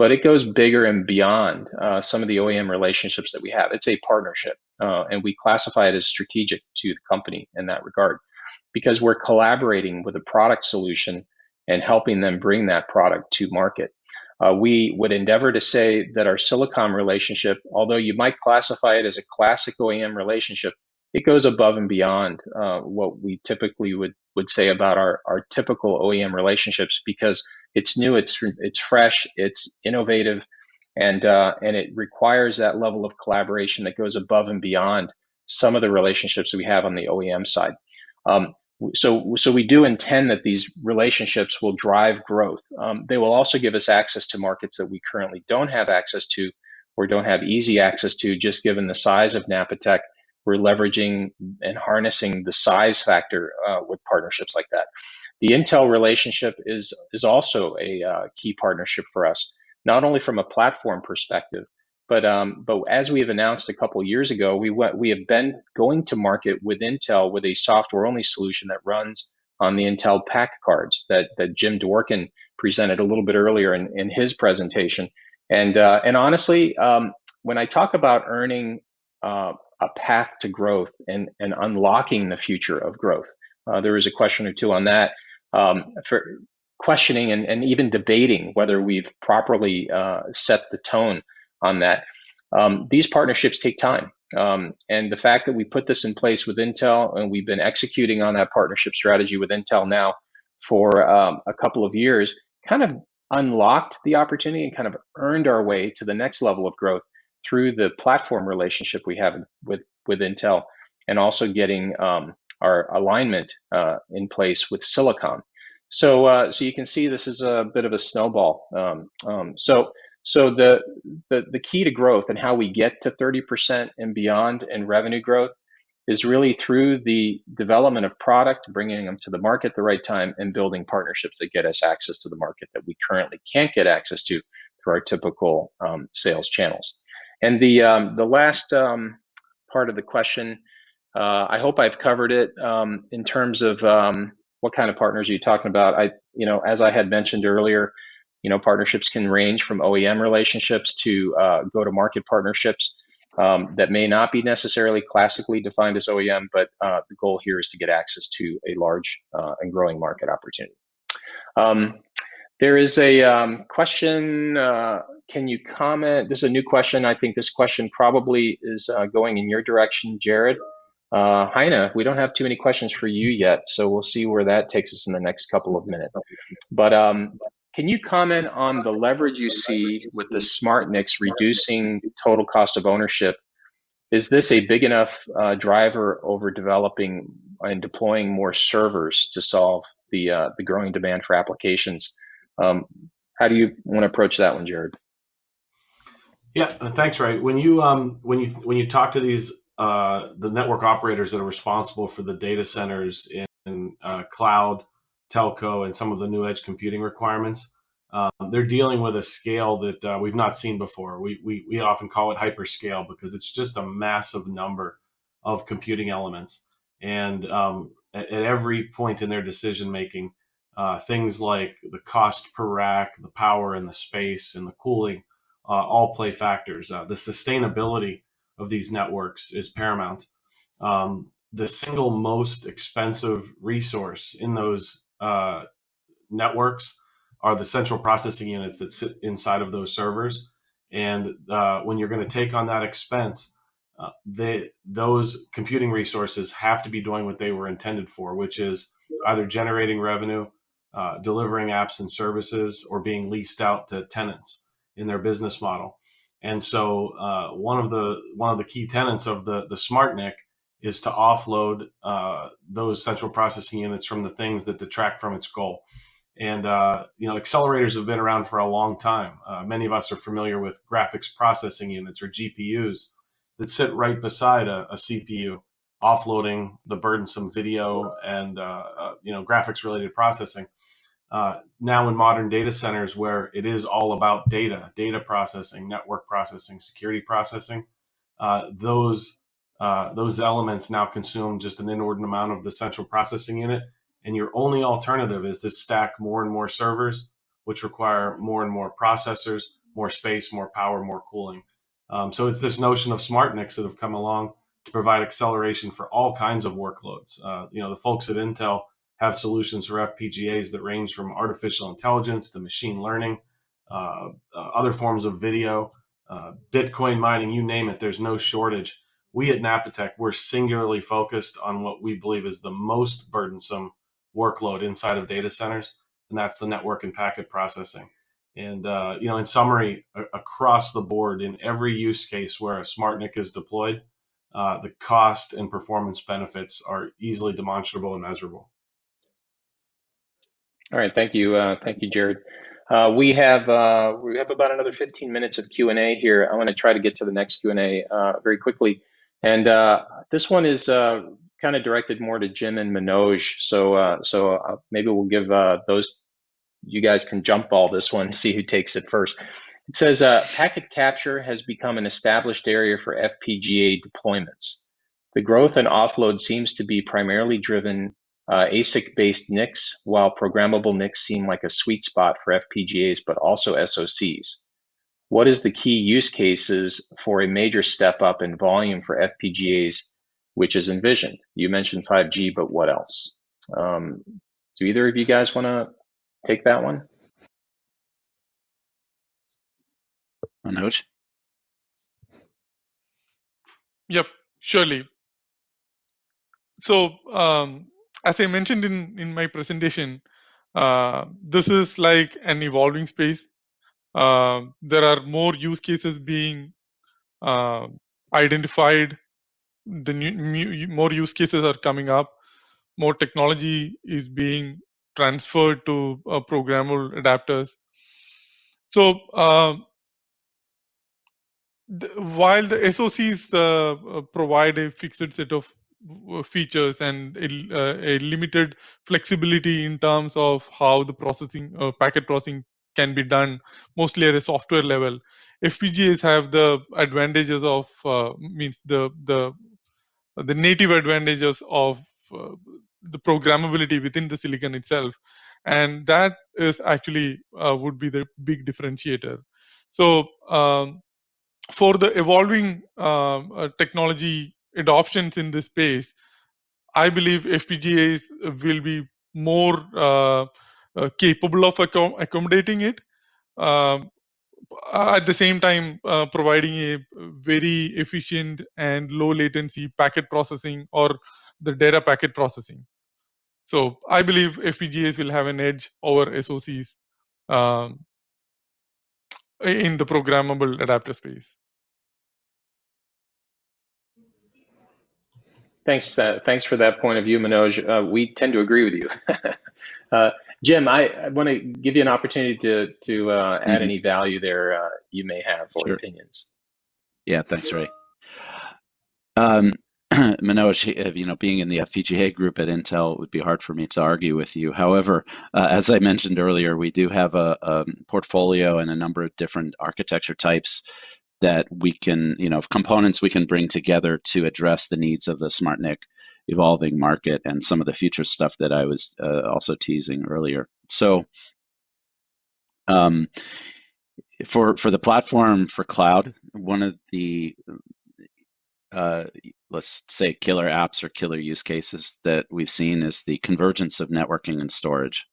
It goes bigger and beyond some of the OEM relationships that we have. It's a partnership, and we classify it as strategic to the company in that regard because we're collaborating with a product solution and helping them bring that product to market. We would endeavor to say that our Silicom relationship, although you might classify it as a classic OEM relationship, it goes above and beyond what we typically would say about our typical OEM relationships because it's new, it's fresh, it's innovative, and it requires that level of collaboration that goes above and beyond some of the relationships that we have on the OEM side. We do intend that these relationships will drive growth. They will also give us access to markets that we currently don't have access to or don't have easy access to, just given the size of Napatech. We're leveraging and harnessing the size factor with partnerships like that. The Intel relationship is also a key partnership for us, not only from a platform perspective, but as we have announced a couple years ago, we have been going to market with Intel with a software-only solution that runs on the Intel PAC cards that Jim Dworkin presented a little bit earlier in his presentation. Honestly, when I talk about earning a path to growth and unlocking the future of growth, there is a question or two on that. Questioning and even debating whether we've properly set the tone on that. These partnerships take time. The fact that we put this in place with Intel and we've been executing on that partnership strategy with Intel now for a couple of years, kind of unlocked the opportunity and kind of earned our way to the next level of growth through the platform relationship we have with Intel and also getting our alignment in place with Silicom. You can see this is a bit of a snowball. The key to growth and how we get to 30% and beyond in revenue growth is really through the development of product, bringing them to the market at the right time, and building partnerships that get us access to the market that we currently can't get access to through our typical sales channels. The last part of the question, I hope I've covered it, in terms of what kind of partners are you talking about. As I had mentioned earlier, partnerships can range from OEM relationships to go-to-market partnerships that may not be necessarily classically defined as OEM, but the goal here is to get access to a large and growing market opportunity. There is a question, this is a new question. I think this question probably is going in your direction, Jarrod. Heine, we don't have too many questions for you yet, we'll see where that takes us in the next couple of minutes. Can you comment on the leverage you see with the SmartNICs reducing total cost of ownership? Is this a big enough driver over developing and deploying more servers to solve the growing demand for applications? How do you want to approach that one, Jarrod? Yeah. Thanks, Ray. When you talk to the network operators that are responsible for the data centers in cloud, telco, and some of the new edge computing requirements, they're dealing with a scale that we've not seen before. We often call it hyperscale because it's just a massive number of computing elements. At every point in their decision-making, things like the cost per rack, the power and the space and the cooling, all play factors. The sustainability of these networks is paramount. The single most expensive resource in those networks are the central processing units that sit inside of those servers. When you're going to take on that expense, those computing resources have to be doing what they were intended for, which is either generating revenue, delivering apps and services, or being leased out to tenants in their business model. One of the key tenets of the SmartNIC is to offload those central processing units from the things that detract from its goal. Accelerators have been around for a long time. Many of us are familiar with graphics processing units, or GPUs, that sit right beside a CPU, offloading the burdensome video and graphics-related processing. Now in modern data centers where it is all about data processing, network processing, security processing, those elements now consume just an inordinate amount of the central processing unit, and your only alternative is to stack more and more servers, which require more and more processors, more space, more power, more cooling. It's this notion of SmartNICs that have come along to provide acceleration for all kinds of workloads. The folks at Intel have solutions for FPGAs that range from artificial intelligence to machine learning, other forms of video, Bitcoin mining, you name it, there's no shortage. We at Napatech, we're singularly focused on what we believe is the most burdensome workload inside of data centers, and that's the network and packet processing. In summary, across the board in every use case where a SmartNIC is deployed, the cost and performance benefits are easily demonstrable and measurable. All right. Thank you, Jarrod. We have about another 15 minutes of Q&A here. I want to try to get to the next Q&A very quickly. This one is kind of directed more to Jim and Manoj. Maybe you guys can jump ball this one, see who takes it first. It says, "Packet capture has become an established area for FPGA deployments. The growth in offload seems to be primarily driven ASIC-based NICs, while programmable NICs seem like a sweet spot for FPGAs, but also SoCs. What is the key use cases for a major step-up in volume for FPGAs, which is envisioned? You mentioned 5G, what else? Do either of you guys want to take that one? Manoj? Yep, surely. As I mentioned in my presentation, this is an evolving space. There are more use cases being identified. More use cases are coming up. More technology is being transferred to programmable adapters. While the SoCs provide a fixed set of features and a limited flexibility in terms of how the packet processing can be done, mostly at a software level, FPGAs have the native advantages of the programmability within the silicon itself, and that actually would be the big differentiator. For the evolving technology adoptions in this space, I believe FPGAs will be more capable of accommodating it, at the same time providing a very efficient and low-latency packet processing or the data packet processing. I believe FPGAs will have an edge over SoCs in the programmable adapter space. Thanks for that point of view, Manoj. We tend to agree with you. Jim, I want to give you an opportunity to add any value there you may have or opinions. Sure. Yeah, that's right. Manoj, being in the FPGA group at Intel, it would be hard for me to argue with you. As I mentioned earlier, we do have a portfolio and a number of different architecture types, components we can bring together to address the needs of the SmartNIC evolving market and some of the future stuff that I was also teasing earlier. For the platform for cloud, one of the, let's say, killer apps or killer use cases that we've seen is the convergence of networking and storage.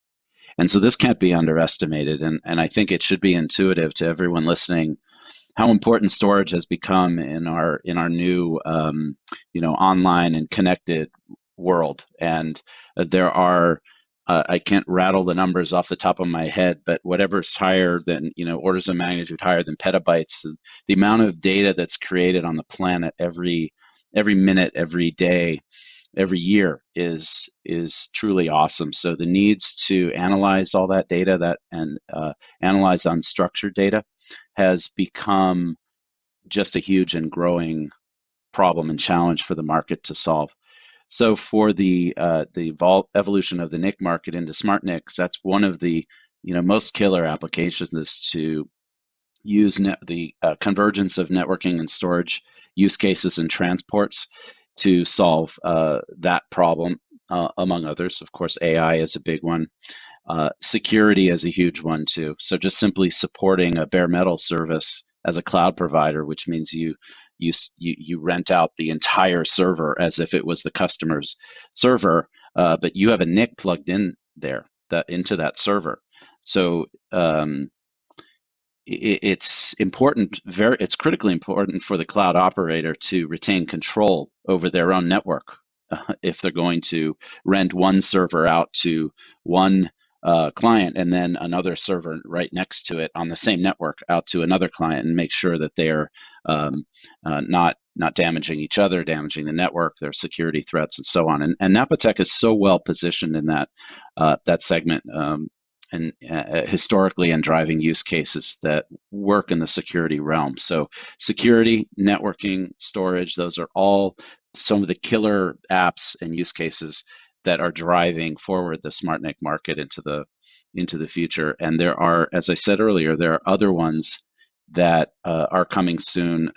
This can't be underestimated, and I think it should be intuitive to everyone listening how important storage has become in our new online and connected world. I can't rattle the numbers off the top of my head, but whatever's orders of magnitude higher than petabytes, the amount of data that's created on the planet every minute, every day, every year is truly awesome. The needs to analyze all that data and analyze unstructured data has become just a huge and growing problem and challenge for the market to solve. For the evolution of the NIC market into SmartNICs, that's one of the most killer applications, is to use the convergence of networking and storage use cases and transports to solve that problem, among others. Of course, AI is a big one. Security is a huge one, too. Just simply supporting a bare metal service as a cloud provider, which means you rent out the entire server as if it was the customer's server, but you have a NIC plugged in there, into that server. It's critically important for the cloud operator to retain control over their own network if they're going to rent one server out to one client and then another server right next to it on the same network out to another client and make sure that they're not damaging each other, damaging the network, there are security threats and so on. Napatech is so well positioned in that segment historically and driving use cases that work in the security realm. Security, networking, storage, those are all some of the killer apps and use cases that are driving forward the SmartNIC market into the future. As I said earlier, there are other ones that are coming soon.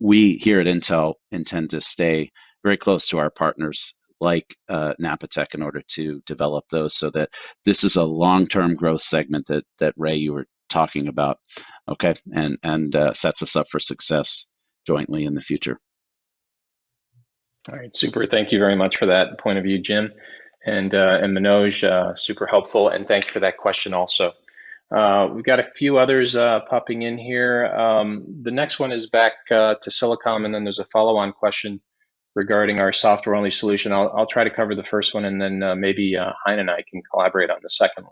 We here at Intel intend to stay very close to our partners like Napatech in order to develop those so that this is a long-term growth segment that, Ray, you were talking about, and sets us up for success jointly in the future. All right. Super. Thank you very much for that point of view, Jim. Manoj, super helpful, and thanks for that question also. We've got a few others popping in here. The next one is back to Silicom, and then there's a follow-on question regarding our software-only solution. I'll try to cover the first one, and then maybe Heine and I can collaborate on the second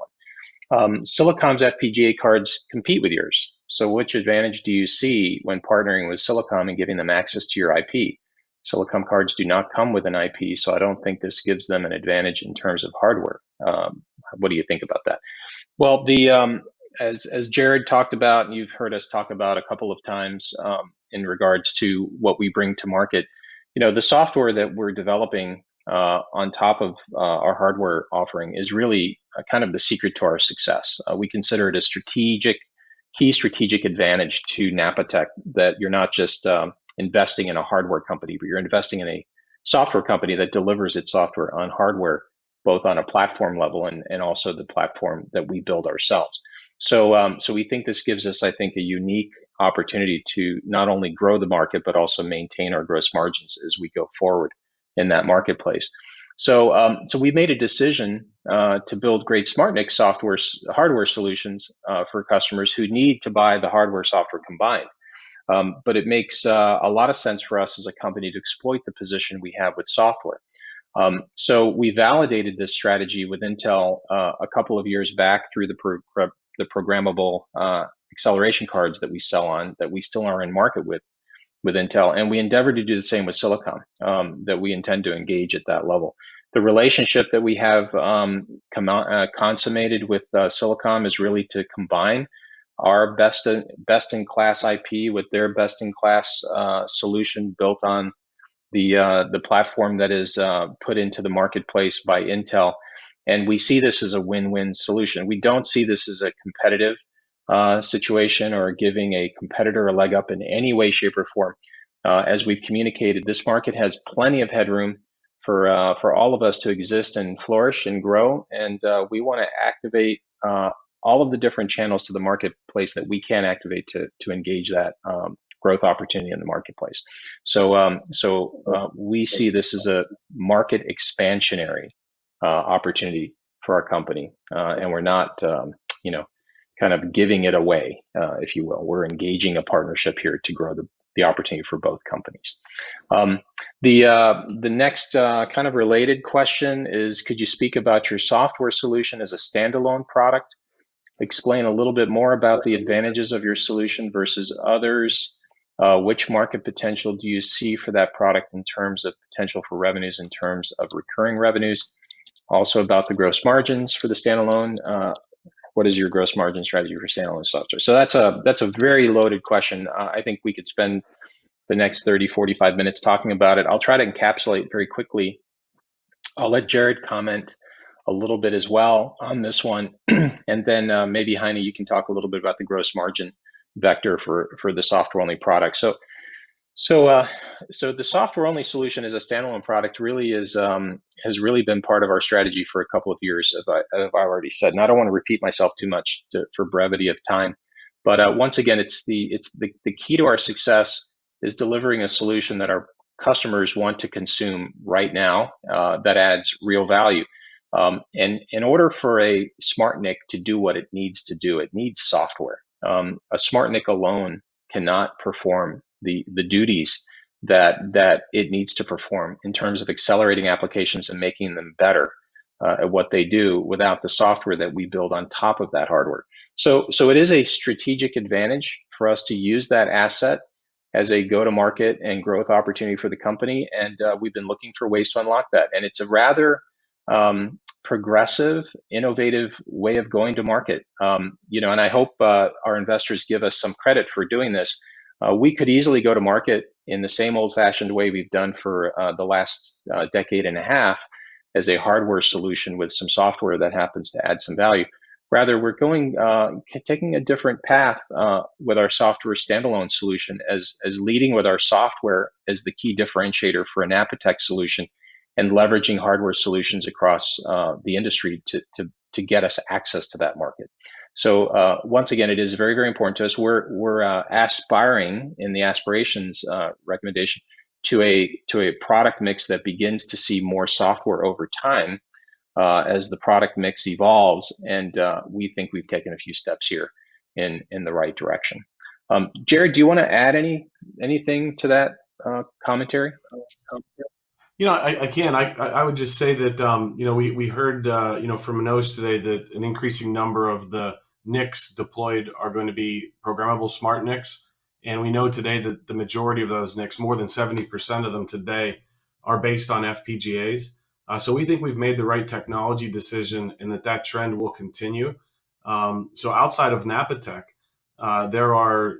one. "Silicom's FPGA cards compete with yours. Which advantage do you see when partnering with Silicom and giving them access to your IP? Silicom cards do not come with an IP. I don't think this gives them an advantage in terms of hardware. What do you think about that?" Well, as Jarrod talked about, and you've heard us talk about a couple of times in regards to what we bring to market, the software that we're developing on top of our hardware offering is really kind of the secret to our success. We consider it a key strategic advantage to Napatech, that you're not just investing in a hardware company, but you're investing in a software company that delivers its software on hardware, both on a platform level and also the platform that we build ourselves. We think this gives us, I think, a unique opportunity to not only grow the market, but also maintain our gross margins as we go forward in that marketplace. We made a decision to build great SmartNIC hardware solutions for customers who need to buy the hardware-software combined. It makes a lot of sense for us as a company to exploit the position we have with software. We validated this strategy with Intel a couple of years back through the programmable acceleration cards that we sell on, that we still are in market with Intel, and we endeavor to do the same with Silicom, that we intend to engage at that level. The relationship that we have consummated with Silicom is really to combine our best-in-class IP with their best-in-class solution built on the platform that is put into the marketplace by Intel, and we see this as a win-win solution. We don't see this as a competitive situation or giving a competitor a leg up in any way, shape, or form. We've communicated, this market has plenty of headroom for all of us to exist and flourish and grow. We want to activate all of the different channels to the marketplace that we can activate to engage that growth opportunity in the marketplace. We see this as a market expansionary opportunity for our company. We're not kind of giving it away, if you will. We're engaging a partnership here to grow the opportunity for both companies. The next kind of related question is, could you speak about your software solution as a standalone product? Explain a little bit more about the advantages of your solution versus others. Which market potential do you see for that product in terms of potential for revenues, in terms of recurring revenues? Also about the gross margins for the standalone, what is your gross margin strategy for standalone software? That's a very loaded question. I think we could spend the next 30, 45 minutes talking about it. I'll try to encapsulate very quickly. I'll let Jarrod comment a little bit as well on this one. Then maybe, Heine, you can talk a little bit about the gross margin vector for the software-only product. The software-only solution as a standalone product really has been part of our strategy for a couple of years, as I've already said. I don't want to repeat myself too much for brevity of time. Once again, the key to our success is delivering a solution that our customers want to consume right now, that adds real value. In order for a SmartNIC to do what it needs to do, it needs software. A SmartNIC alone cannot perform the duties that it needs to perform in terms of accelerating applications and making them better at what they do without the software that we build on top of that hardware. It is a strategic advantage for us to use that asset as a go-to-market and growth opportunity for the company, and we've been looking for ways to unlock that. It's a rather progressive, innovative way of going to market. I hope our investors give us some credit for doing this. We could easily go to market in the same old-fashioned way we've done for the last decade and a half as a hardware solution with some software that happens to add some value. Rather, we're taking a different path with our software standalone solution as leading with our software as the key differentiator for a Napatech solution and leveraging hardware solutions across the industry to get us access to that market. Once again, it is very, very important to us. We're aspiring in the aspirations recommendation to a product mix that begins to see more software over time as the product mix evolves, and we think we've taken a few steps here in the right direction. Jarrod, do you want to add anything to that commentary? I can. I would just say that we heard from Manoj today that an increasing number of the NICs deployed are going to be programmable SmartNICs, and we know today that the majority of those NICs, more than 70% of them today, are based on FPGAs. We think we've made the right technology decision and that trend will continue. Outside of Napatech, there are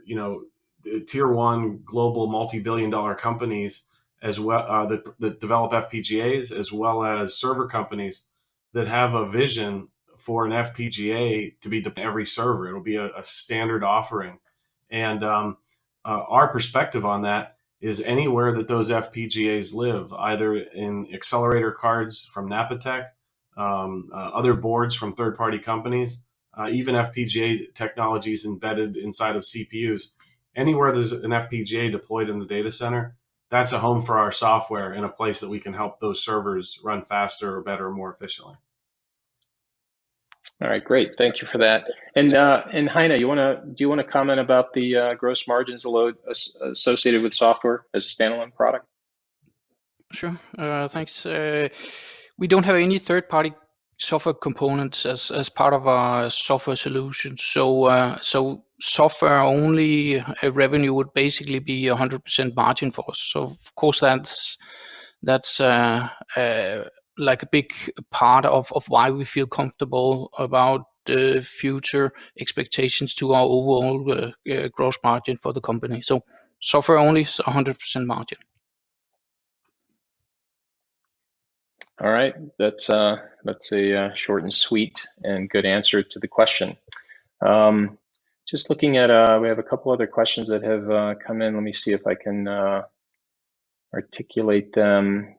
tier 1 global multi-billion dollar companies that develop FPGAs as well as server companies that have a vision for an FPGA to be every server. It'll be a standard offering. Our perspective on that is anywhere that those FPGAs live, either in accelerator cards from Napatech, other boards from third-party companies, even FPGA technologies embedded inside of CPUs. Anywhere there's an FPGA deployed in the data center, that's a home for our software and a place that we can help those servers run faster or better or more efficiently. All right. Great. Thank you for that. Heine, do you want to comment about the gross margins associated with software as a standalone product? Sure. Thanks. We don't have any third-party software components as part of our software solution. Software-only revenue would basically be 100% margin for us. Of course, that's a big part of why we feel comfortable about the future expectations to our overall gross margin for the company. Software-only is 100% margin. All right. That's a short and sweet and good answer to the question. Just looking at. We have a couple other questions that have come in. Let me see if I can articulate them.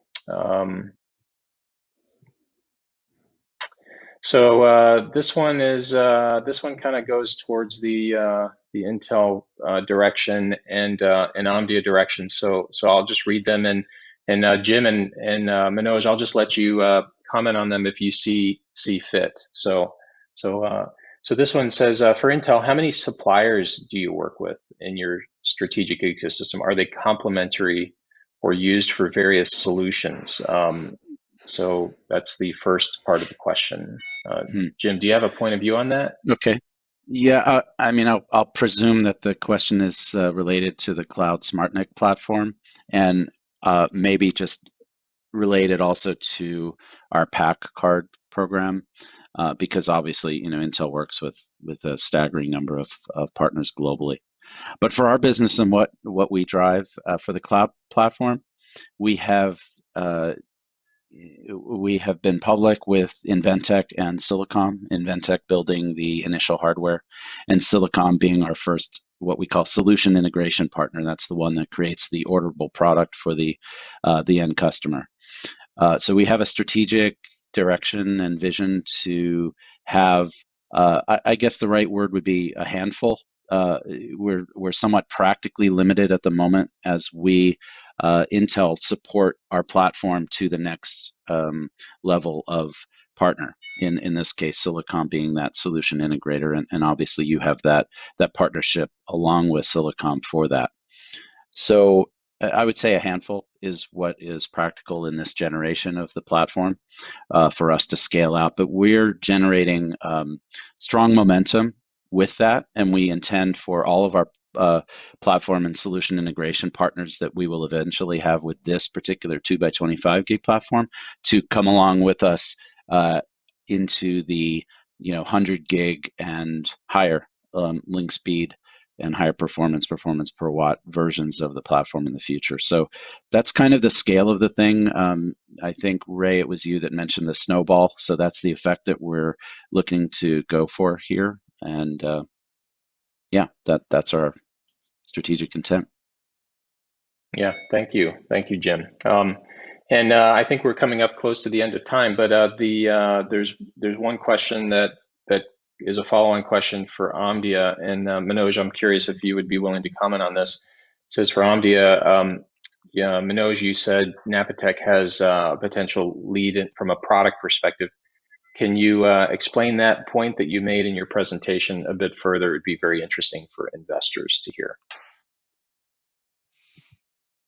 This one kind of goes towards the Intel direction and Omdia direction. I'll just read them, and Jim and Manoj, I'll just let you comment on them if you see fit. This one says, "For Intel, how many suppliers do you work with in your strategic ecosystem? Are they complementary or used for various solutions?" That's the first part of the question. Jim, do you have a point of view on that? Okay. Yeah, I'll presume that the question is related to the cloud SmartNIC platform and maybe just related also to our PAC card program, because obviously Intel works with a staggering number of partners globally. For our business and what we drive for the cloud platform, we have been public with Inventec and Silicom. Inventec building the initial hardware and Silicom being our first, what we call solution integration partner. That's the one that creates the orderable product for the end customer. We have a strategic direction and vision to have, I guess the right word would be a handful. We're somewhat practically limited at the moment as we, Intel, support our platform to the next level of partner. In this case, Silicom being that solution integrator, and obviously you have that partnership along with Silicom for that. I would say a handful is what is practical in this generation of the platform for us to scale out. We're generating strong momentum with that, and we intend for all of our platform and solution integration partners that we will eventually have with this particular 2x25 GB platform to come along with us into the 100 GB and higher link speed and higher performance per watt versions of the platform in the future. That's kind of the scale of the thing. I think, Ray, it was you that mentioned the snowball, so that's the effect that we're looking to go for here, and yeah, that's our strategic intent. Thank you, Jim. I think we're coming up close to the end of time. There's one question that is a follow-on question for Omdia, and Manoj, I'm curious if you would be willing to comment on this. It says, "For Omdia, Manoj, you said Napatech has a potential lead from a product perspective. Can you explain that point that you made in your presentation a bit further? It'd be very interesting for investors to hear.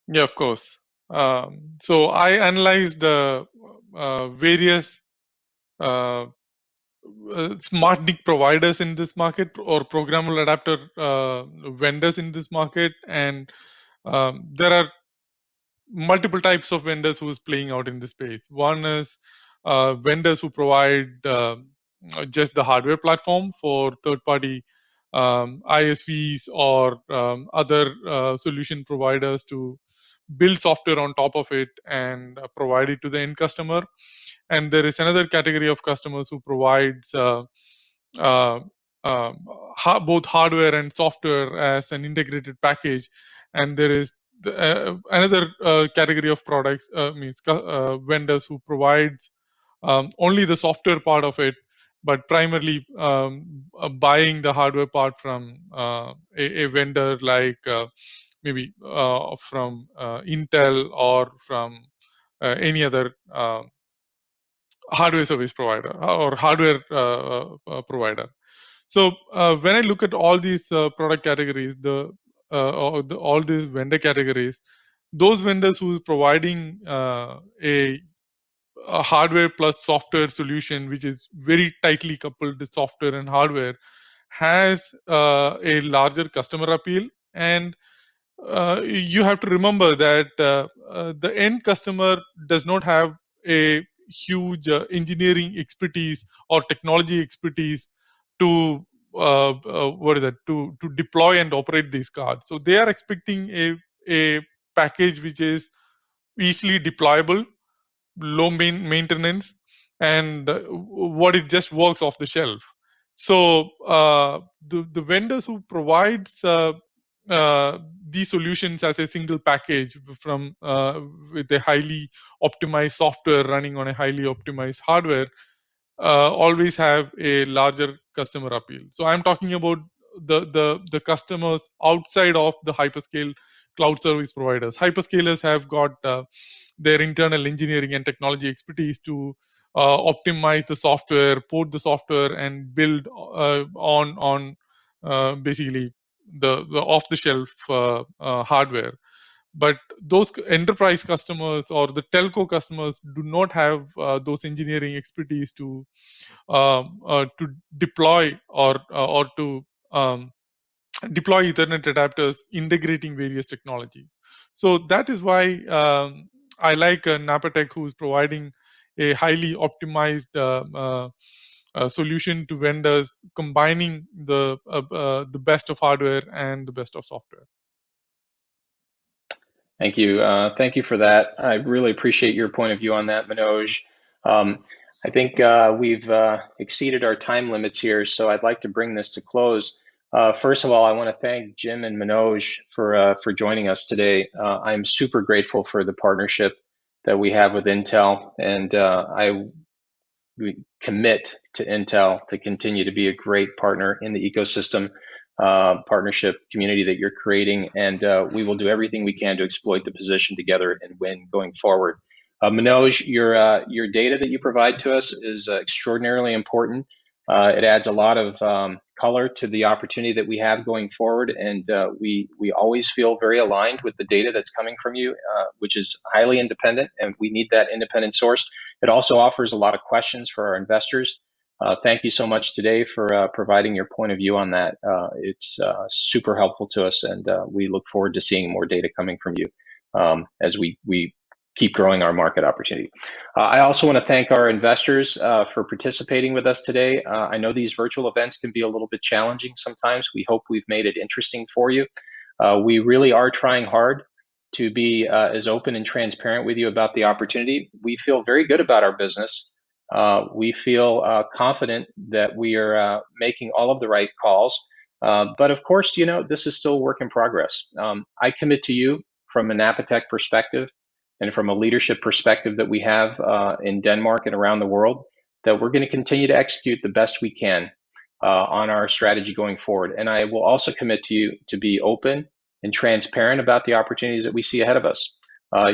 Yeah, of course. I analyzed the various SmartNIC providers in this market or programmable adapter vendors in this market, and there are multiple types of vendors who's playing out in the space. One is vendors who provide just the hardware platform for third-party ISVs or other solution providers to build software on top of it and provide it to the end customer. There is another category of customers who provides both hardware and software as an integrated package. There is another category of products, means vendors who provide only the software part of it, but primarily buying the hardware part from a vendor like maybe from Intel or from any other hardware service provider or hardware provider. When I look at all these product categories, all these vendor categories, those vendors who's providing a hardware plus software solution, which is very tightly coupled, the software and hardware, has a larger customer appeal. And you have to remember that the end customer does not have a huge engineering expertise or technology expertise to deploy and operate these cards. They are expecting a package which is easily deployable, low maintenance, and it just works off the shelf. The vendors who provides these solutions as a single package with a highly optimized software running on a highly optimized hardware always have a larger customer appeal. I'm talking about the customers outside of the hyperscale cloud service providers. Hyperscalers have got their internal engineering and technology expertise to optimize the software, port the software, and build on basically the off-the-shelf hardware. Those enterprise customers or the telco customers do not have those engineering expertise to deploy Ethernet adapters integrating various technologies. That is why I like Napatech, who's providing a highly optimized solution to vendors, combining the best of hardware and the best of software. Thank you. Thank you for that. I really appreciate your point of view on that, Manoj. I think we've exceeded our time limits here, so I'd like to bring this to close. First of all, I want to thank Jim and Manoj for joining us today. I'm super grateful for the partnership that we have with Intel. We commit to Intel to continue to be a great partner in the ecosystem partnership community that you're creating. We will do everything we can to exploit the position together and win going forward. Manoj, your data that you provide to us is extraordinarily important. It adds a lot of color to the opportunity that we have going forward. We always feel very aligned with the data that's coming from you, which is highly independent. We need that independent source. It also offers a lot of questions for our investors. Thank you so much today for providing your point of view on that. It's super helpful to us, and we look forward to seeing more data coming from you as we keep growing our market opportunity. I also want to thank our investors for participating with us today. I know these virtual events can be a little bit challenging sometimes. We hope we've made it interesting for you. We really are trying hard to be as open and transparent with you about the opportunity. We feel very good about our business. We feel confident that we are making all of the right calls. Of course, this is still a work in progress. I commit to you from a Napatech perspective and from a leadership perspective that we have in Denmark and around the world, that we're going to continue to execute the best we can on our strategy going forward. I will also commit to you to be open and transparent about the opportunities that we see ahead of us.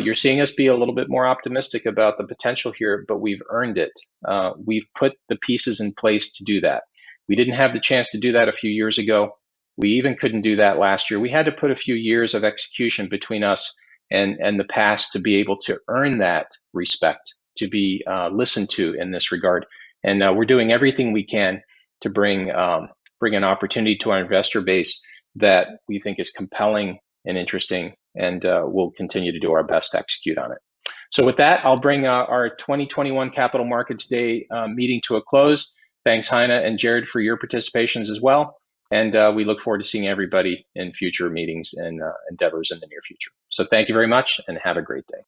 You're seeing us be a little bit more optimistic about the potential here, but we've earned it. We've put the pieces in place to do that. We didn't have the chance to do that a few years ago. We even couldn't do that last year. We had to put a few years of execution between us and the past to be able to earn that respect, to be listened to in this regard. We're doing everything we can to bring an opportunity to our investor base that we think is compelling and interesting, and we'll continue to do our best to execute on it. With that, I'll bring our 2021 Capital Markets Day meeting to a close. Thanks, Heine and Jarrod, for your participation as well, and we look forward to seeing everybody in future meetings and endeavors in the near future. Thank you very much, and have a great day.